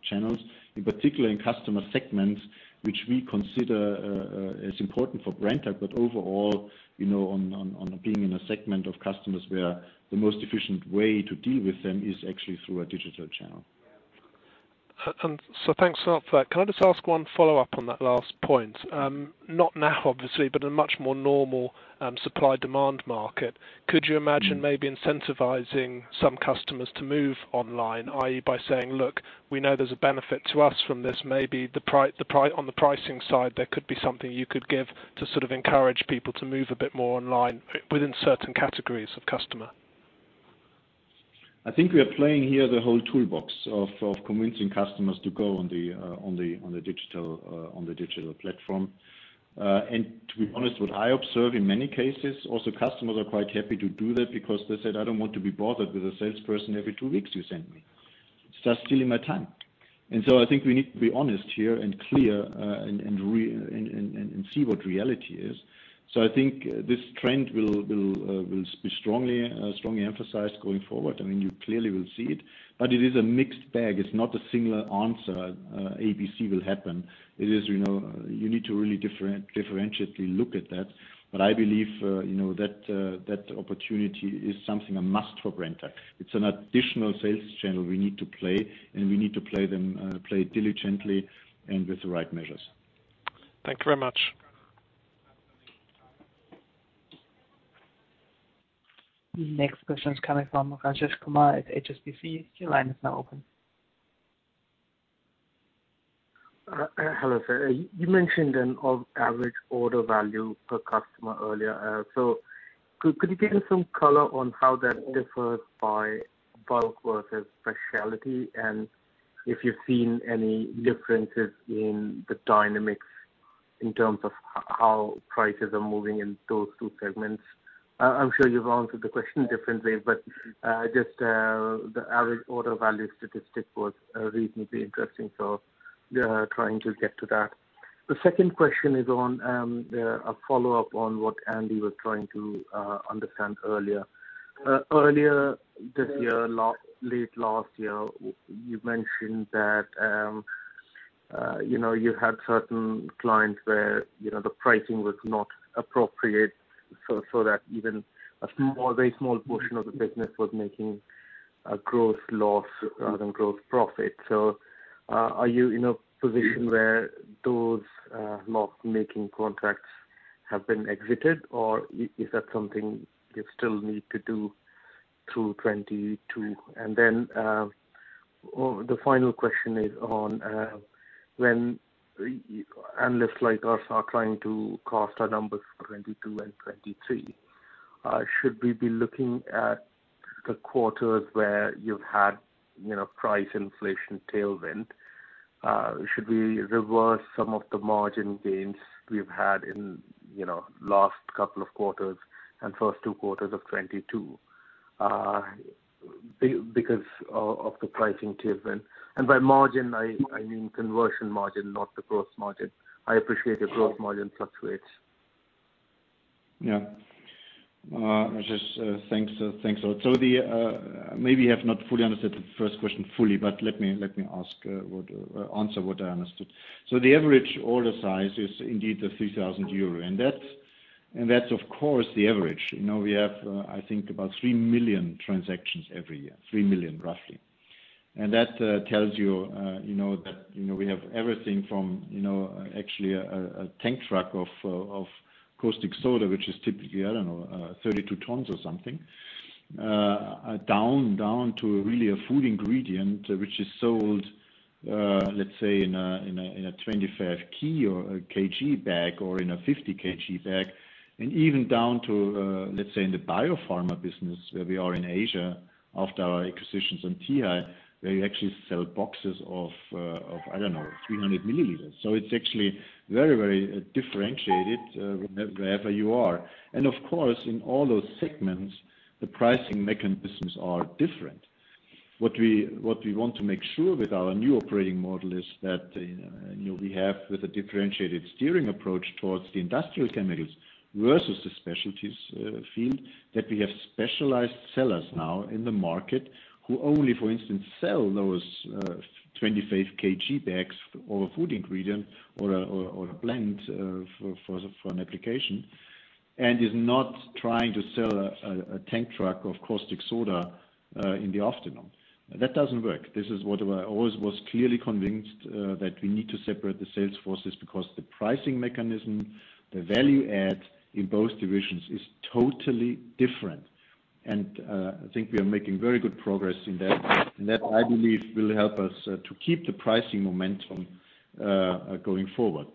channels, in particular in customer segments, which we consider as important for Brenntag. Overall, you know, on being in a segment of customers where the most efficient way to deal with them is actually through a digital channel. Thanks a lot for that. Can I just ask one follow-up on that last point? Not now, obviously, but in a much more normal supply demand market, could you imagine maybe incentivizing some customers to move online, i.e., by saying, "Look, we know there's a benefit to us from this. Maybe the price on the pricing side, there could be something you could give to sort of encourage people to move a bit more online within certain categories of customer. I think we are playing here the whole toolbox of convincing customers to go on the digital platform. To be honest, what I observe in many cases also, customers are quite happy to do that because they said, "I don't want to be bothered with a salesperson every two weeks you send me. It's just stealing my time." I think we need to be honest here and clear, and see what reality is. I think this trend will be strongly emphasized going forward. I mean, you clearly will see it, but it is a mixed bag. It's not a singular answer, A, B, C will happen. It is, you know, you need to really differentiate to look at that. I believe, you know, that opportunity is something we must for Brenntag. It's an additional sales channel we need to play, and we need to play them diligently and with the right measures. Thank you very much. Next question is coming from Rajesh Kumar at HSBC. Your line is now open. Hello, sir. You mentioned an average order value per customer earlier. Could you give some color on how that differs by bulk versus specialty? If you've seen any differences in the dynamics in terms of how prices are moving in those two segments. I'm sure you've answered the question differently, but just the average order value statistic was reasonably interesting. Yeah, trying to get to that. The second question is on a follow-up on what Andy was trying to understand earlier. Earlier this year, late last year, you mentioned that you know, you had certain clients where you know, the pricing was not appropriate, so that even a small, very small portion of the business was making a gross loss rather than gross profit. Are you in a position where those loss-making contracts have been exited, or is that something you still need to do through 2022? The final question is on when analysts like us are trying to cast our numbers for 2022 and 2023, should we be looking at the quarters where you've had, you know, price inflation tailwind? Should we reverse some of the margin gains we've had in, you know, last couple of quarters and first two quarters of 2022, because of the pricing tailwind? By margin, I mean conversion margin, not the gross margin. I appreciate the gross margin fluctuates. Rajesh, thanks a lot. Maybe I have not fully understood the first question fully but let me answer what I understood. The average order size is indeed 3,000 euro. And that's of course the average. You know, I think about 3 million transactions every year, 3 million roughly. That tells you know, that, you know, we have everything from, you know, actually a tank truck of caustic soda, which is typically, I don't know, 32 tons or something, down to really a food ingredient which is sold, let's say, in a 25 kg bag or in a 50 kg bag, and even down to, let's say, in the biopharma business where we are in Asia after our acquisitions of Tee Hai, where we actually sell boxes of, I don't know, 300 ml. It's actually very differentiated, wherever you are. Of course, in all those segments, the pricing mechanisms are different. What we want to make sure with our new operating model is that, you know, we have with a differentiated steering approach towards the industrial chemicals versus the specialties field, that we have specialized sellers now in the market who only, for instance, sell those 25 kg bags or food ingredient or a blend for an application, and is not trying to sell a tank truck of caustic soda in the afternoon. That doesn't work. This is what I always was clearly convinced that we need to separate the sales forces because the pricing mechanism, the value add in both divisions is totally different. I think we are making very good progress in that. That, I believe will help us to keep the pricing momentum going forward.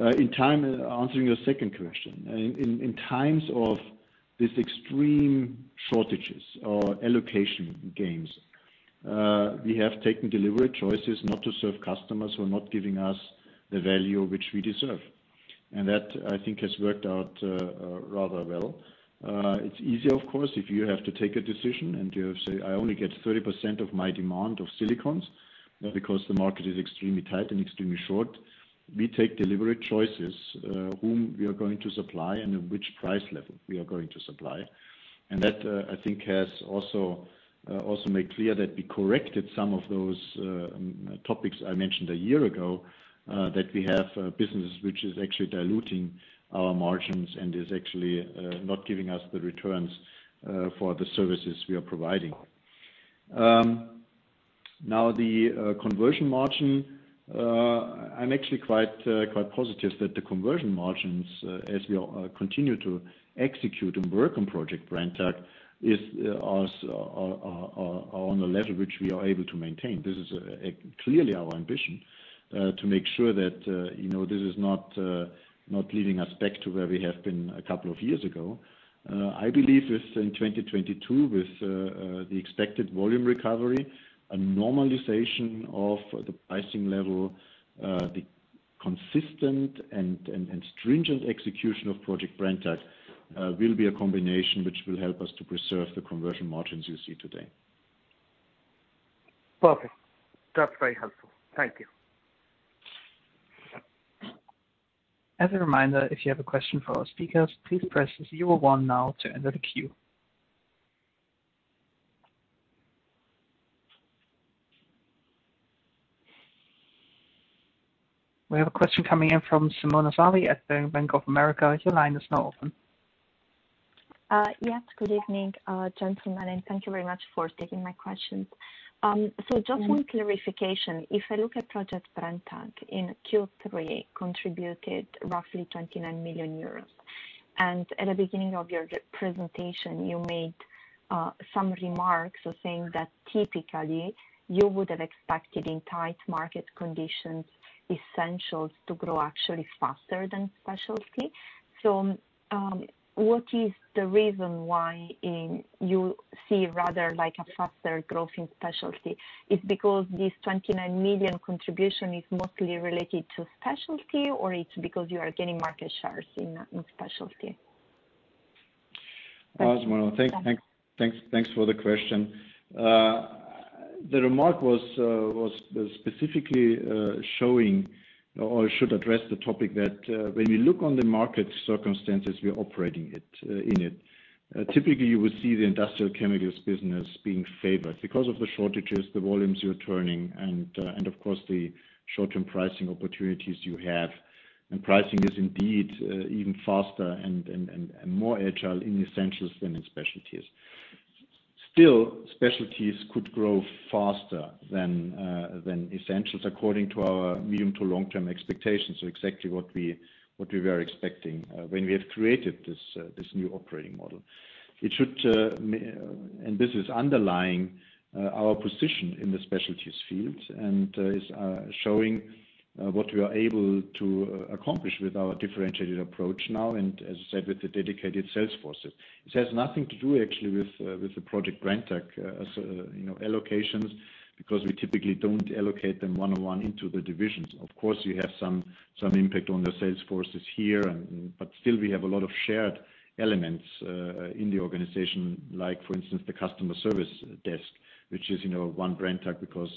Answering your second question. In times of these extreme shortages or allocation gains, we have taken deliberate choices not to serve customers who are not giving us the value which we deserve. That, I think, has worked out rather well. It's easy, of course, if you have to take a decision and you say, "I only get 30% of my demand of silicones," because the market is extremely tight and extremely short. We take deliberate choices whom we are going to supply and at which price level we are going to supply. That I think has also made clear that we corrected some of those topics I mentioned a year ago, that we have a business which is actually diluting our margins and is actually not giving us the returns for the services we are providing. Now the conversion margin, I'm actually quite positive that the conversion margins as we continue to execute and work on Project Brenntag is on a level which we are able to maintain. This is clearly our ambition to make sure that you know this is not leading us back to where we have been a couple of years ago. I believe in 2022, with the expected volume recovery, a normalization of the pricing level, the consistent and stringent execution of Project Brenntag, will be a combination which will help us to preserve the conversion margins you see today. Perfect. That's very helpful. Thank you. As a reminder, if you have a question for our speakers, please press zero one now to enter the queue. We have a question coming in from Simona Sarli at Bank of America. Your line is now open. Yes. Good evening, gentlemen, and thank you very much for taking my questions. So just one clarification. If I look at Project Brenntag in Q3 contributed roughly 29 million euros. At the beginning of your presentation, you made some remarks saying that typically you would have expected in tight market conditions, Essentials to grow actually faster than Specialties. What is the reason why you see rather like a faster growth in Specialties? Is it because this 29 million contribution is mostly related to Specialties, or it's because you are gaining market shares in Specialties? Oh, Simona Sarli, thanks for the question. The remark was specifically showing or should address the topic that when you look on the market circumstances, we are operating in it. Typically, you would see the industrial chemicals business being favored because of the shortages, the volumes you're turning, and of course, the short-term pricing opportunities you have. Pricing is indeed even faster and more agile in essentials than in specialties. Still, specialties could grow faster than essentials according to our medium to long-term expectations. Exactly what we were expecting when we had created this new operating model. This is underlying our position in the specialties field and is showing what we are able to accomplish with our differentiated approach now, and as I said, with the dedicated sales forces. It has nothing to do actually with the Project Brenntag allocations, as you know, because we typically don't allocate them one-on-one into the divisions. Of course, you have some impact on the sales forces here, but still we have a lot of shared elements in the organization, like, for instance, the customer service desk, which is, you know, one Brenntag because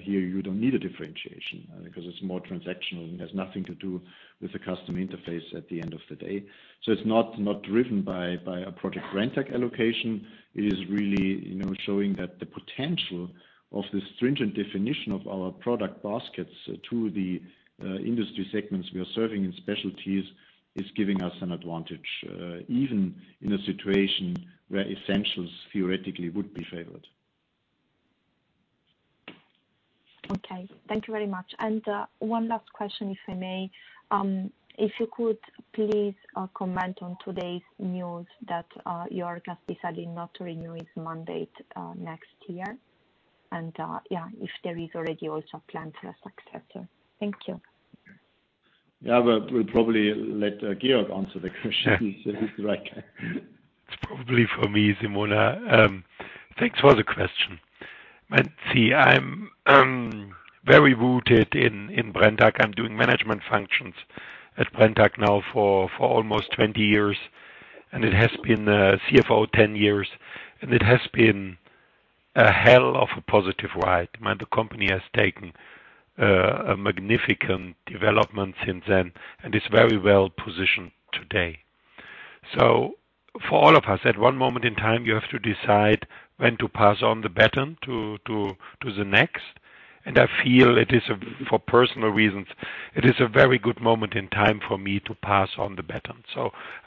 here you don't need a differentiation because it's more transactional and has nothing to do with the customer interface at the end of the day. It's not driven by a Project Brenntag allocation. It is really, you know, showing that the potential of the stringent definition of our product baskets to the industry segments we are serving in Specialties is giving us an advantage, even in a situation where Essentials theoretically would be favored. Okay, thank you very much. One last question, if I may. If you could please comment on today's news that your guest is deciding not to renew his mandate next year. Yeah, if there is already also a plan for a successor. Thank you. Yeah, we'll probably let Georg answer the question. He's the right guy. It's probably for me, Simona. Thanks for the question. See, I'm very rooted in Brenntag. I'm doing management functions at Brenntag now for almost 20 years, and it has been CFO 10 years, and it has been a hell of a positive ride. I mean, the company has taken a magnificent development since then and is very well-positioned today. For all of us, at one moment in time, you have to decide when to pass on the baton to the next. I feel it is for personal reasons a very good moment in time for me to pass on the baton.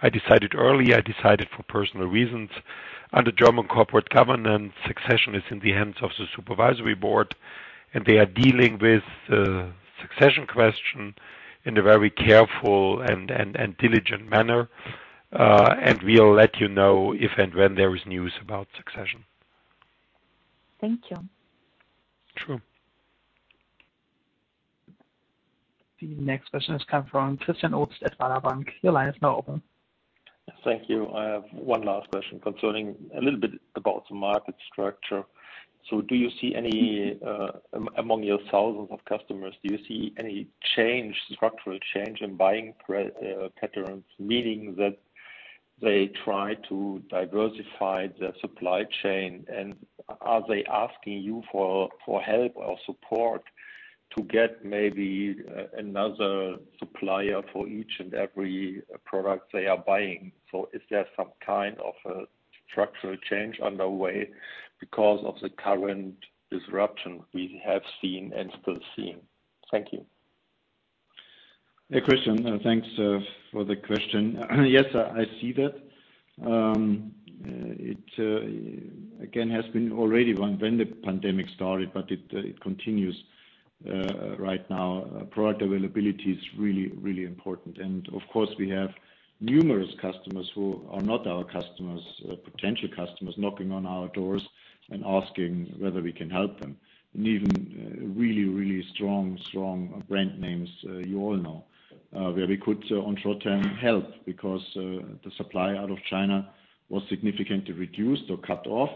I decided early for personal reasons. Under German corporate governance, succession is in the hands of the supervisory board, and they are dealing with the succession question in a very careful and diligent manner. We'll let you know if and when there is news about succession. Thank you. Sure. The next question has come from Christian Obst at Baader Bank. Your line is now open. Thank you. I have one last question concerning a little bit about the market structure. Do you see any among your thousands of customers, do you see any change, structural change in buying patterns, meaning that they try to diversify their supply chain? And are they asking you for help or support to get maybe another supplier for each and every product they are buying? Is there some kind of a structural change on the way because of the current disruption we have seen and still seeing? Thank you. Hey, Christian, thanks for the question. Yes, I see that. It again has been already when the pandemic started, but it continues right now. Product availability is really important. Of course, we have numerous customers who are not our customers, potential customers knocking on our doors and asking whether we can help them. Even really strong brand names you all know where we could on short-term help because the supply out of China was significantly reduced or cut off.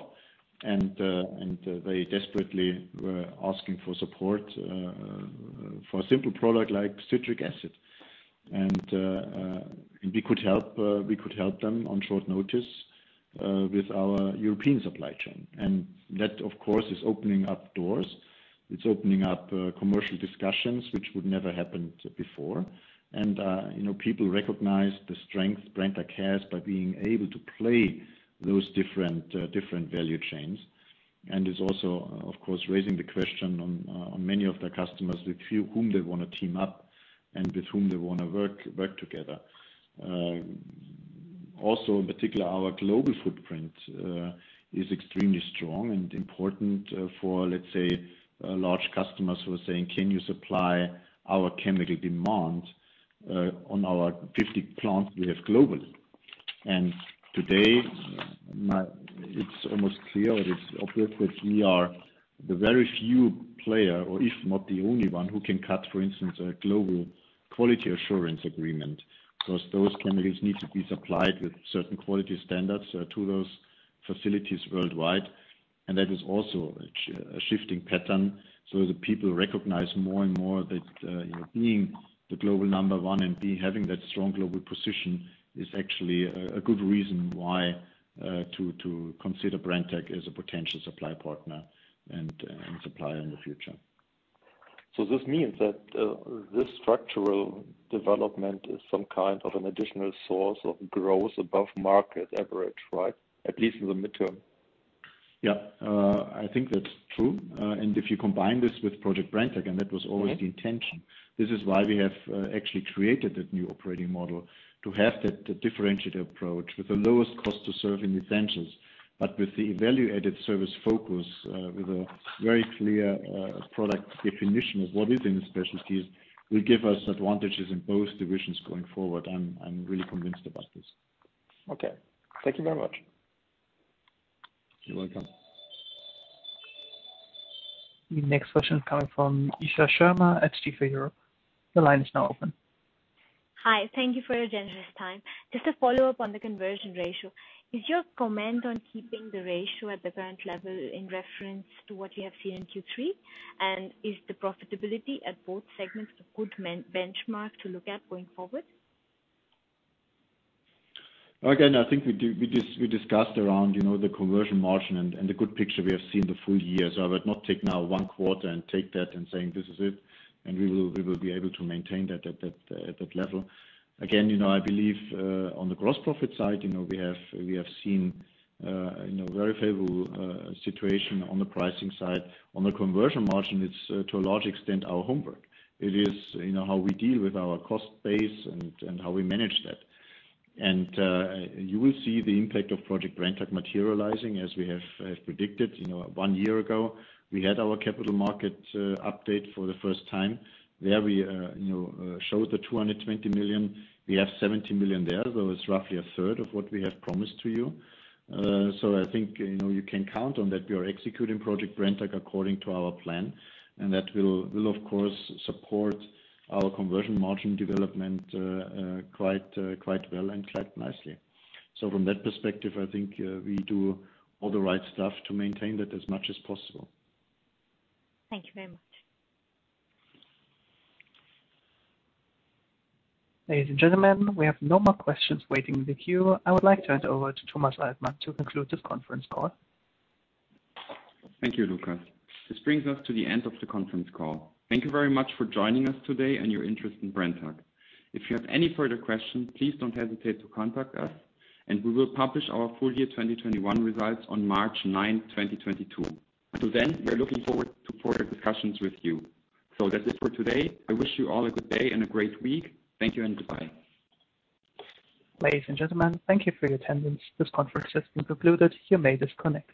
They desperately were asking for support for a simple product like citric acid. We could help them on short notice with our European supply chain. That, of course, is opening up doors. It's opening up commercial discussions which would never happen before. You know, people recognize the strength Brenntag has by being able to play those different value chains. It is also of course raising the question on many of their customers with whom they wanna team up and with whom they wanna work together. Also, in particular, our global footprint is extremely strong and important for, let's say, large customers who are saying, "Can you supply our chemical demand on our 50 plants we have globally?" Today, it's almost clear, it is obvious that we are the very few player, or if not the only one, who can cut, for instance, a global quality assurance agreement. 'Cause those chemicals need to be supplied with certain quality standards to those facilities worldwide. That is also a shifting pattern. The people recognize more and more that, you know, being the global number one and having that strong global position is actually a good reason why to consider Brenntag as a potential supply partner and supplier in the future. This means that this structural development is some kind of an additional source of growth above market average, right? At least in the midterm. Yeah. I think that's true. If you combine this with Project Brenntag, and that was always the intention. This is why we have actually created that new operating model, to have the differentiated approach with the lowest cost to serve in Essentials, with the value-added service focus with a very clear product definition of what is in the Specialties, will give us advantages in both divisions going forward. I'm really convinced about this. Okay. Thank you very much. You're welcome. The next question coming from Isha Jha at Jefferies. The line is now open. Hi. Thank you for your generous time. Just a follow-up on the conversion ratio. Is your comment on keeping the ratio at the current level in reference to what you have seen in Q3? And is the profitability at both segments a good main benchmark to look at going forward? Again, I think we discussed around, you know, the conversion margin and the good picture we have seen the full year. I would not take now one-quarter and take that and saying, "This is it," and we will be able to maintain that at that level. Again, you know, I believe on the gross profit side, you know, we have seen, you know, very favorable situation on the pricing side. On the conversion margin it's to a large extent our homework. It is, you know, how we deal with our cost base and how we manage that. You will see the impact of Project Brenntag materializing as we have predicted. You know, one year ago, we had our capital market update for the first time. There we, you know, showed the 220 million. We have 70 million there. That was roughly a third of what we have promised to you. I think, you know, you can count on that we are executing Project Brenntag according to our plan. That will of course support our conversion margin development quite well and quite nicely. From that perspective, I think we do all the right stuff to maintain that as much as possible. Thank you very much. Ladies and gentlemen, we have no more questions waiting in the queue. I would like to hand over to Thomas Altmann to conclude this conference call. Thank you, Lucas. This brings us to the end of the conference call. Thank you very much for joining us today and your interest in Brenntag. If you have any further questions, please don't hesitate to contact us, and we will publish our full year 2021 results on March 9, 2022. Until then, we are looking forward to further discussions with you. That's it for today. I wish you all a good day and a great week. Thank you and goodbye. Ladies and gentlemen, thank you for your attendance. This conference has been concluded. You may disconnect.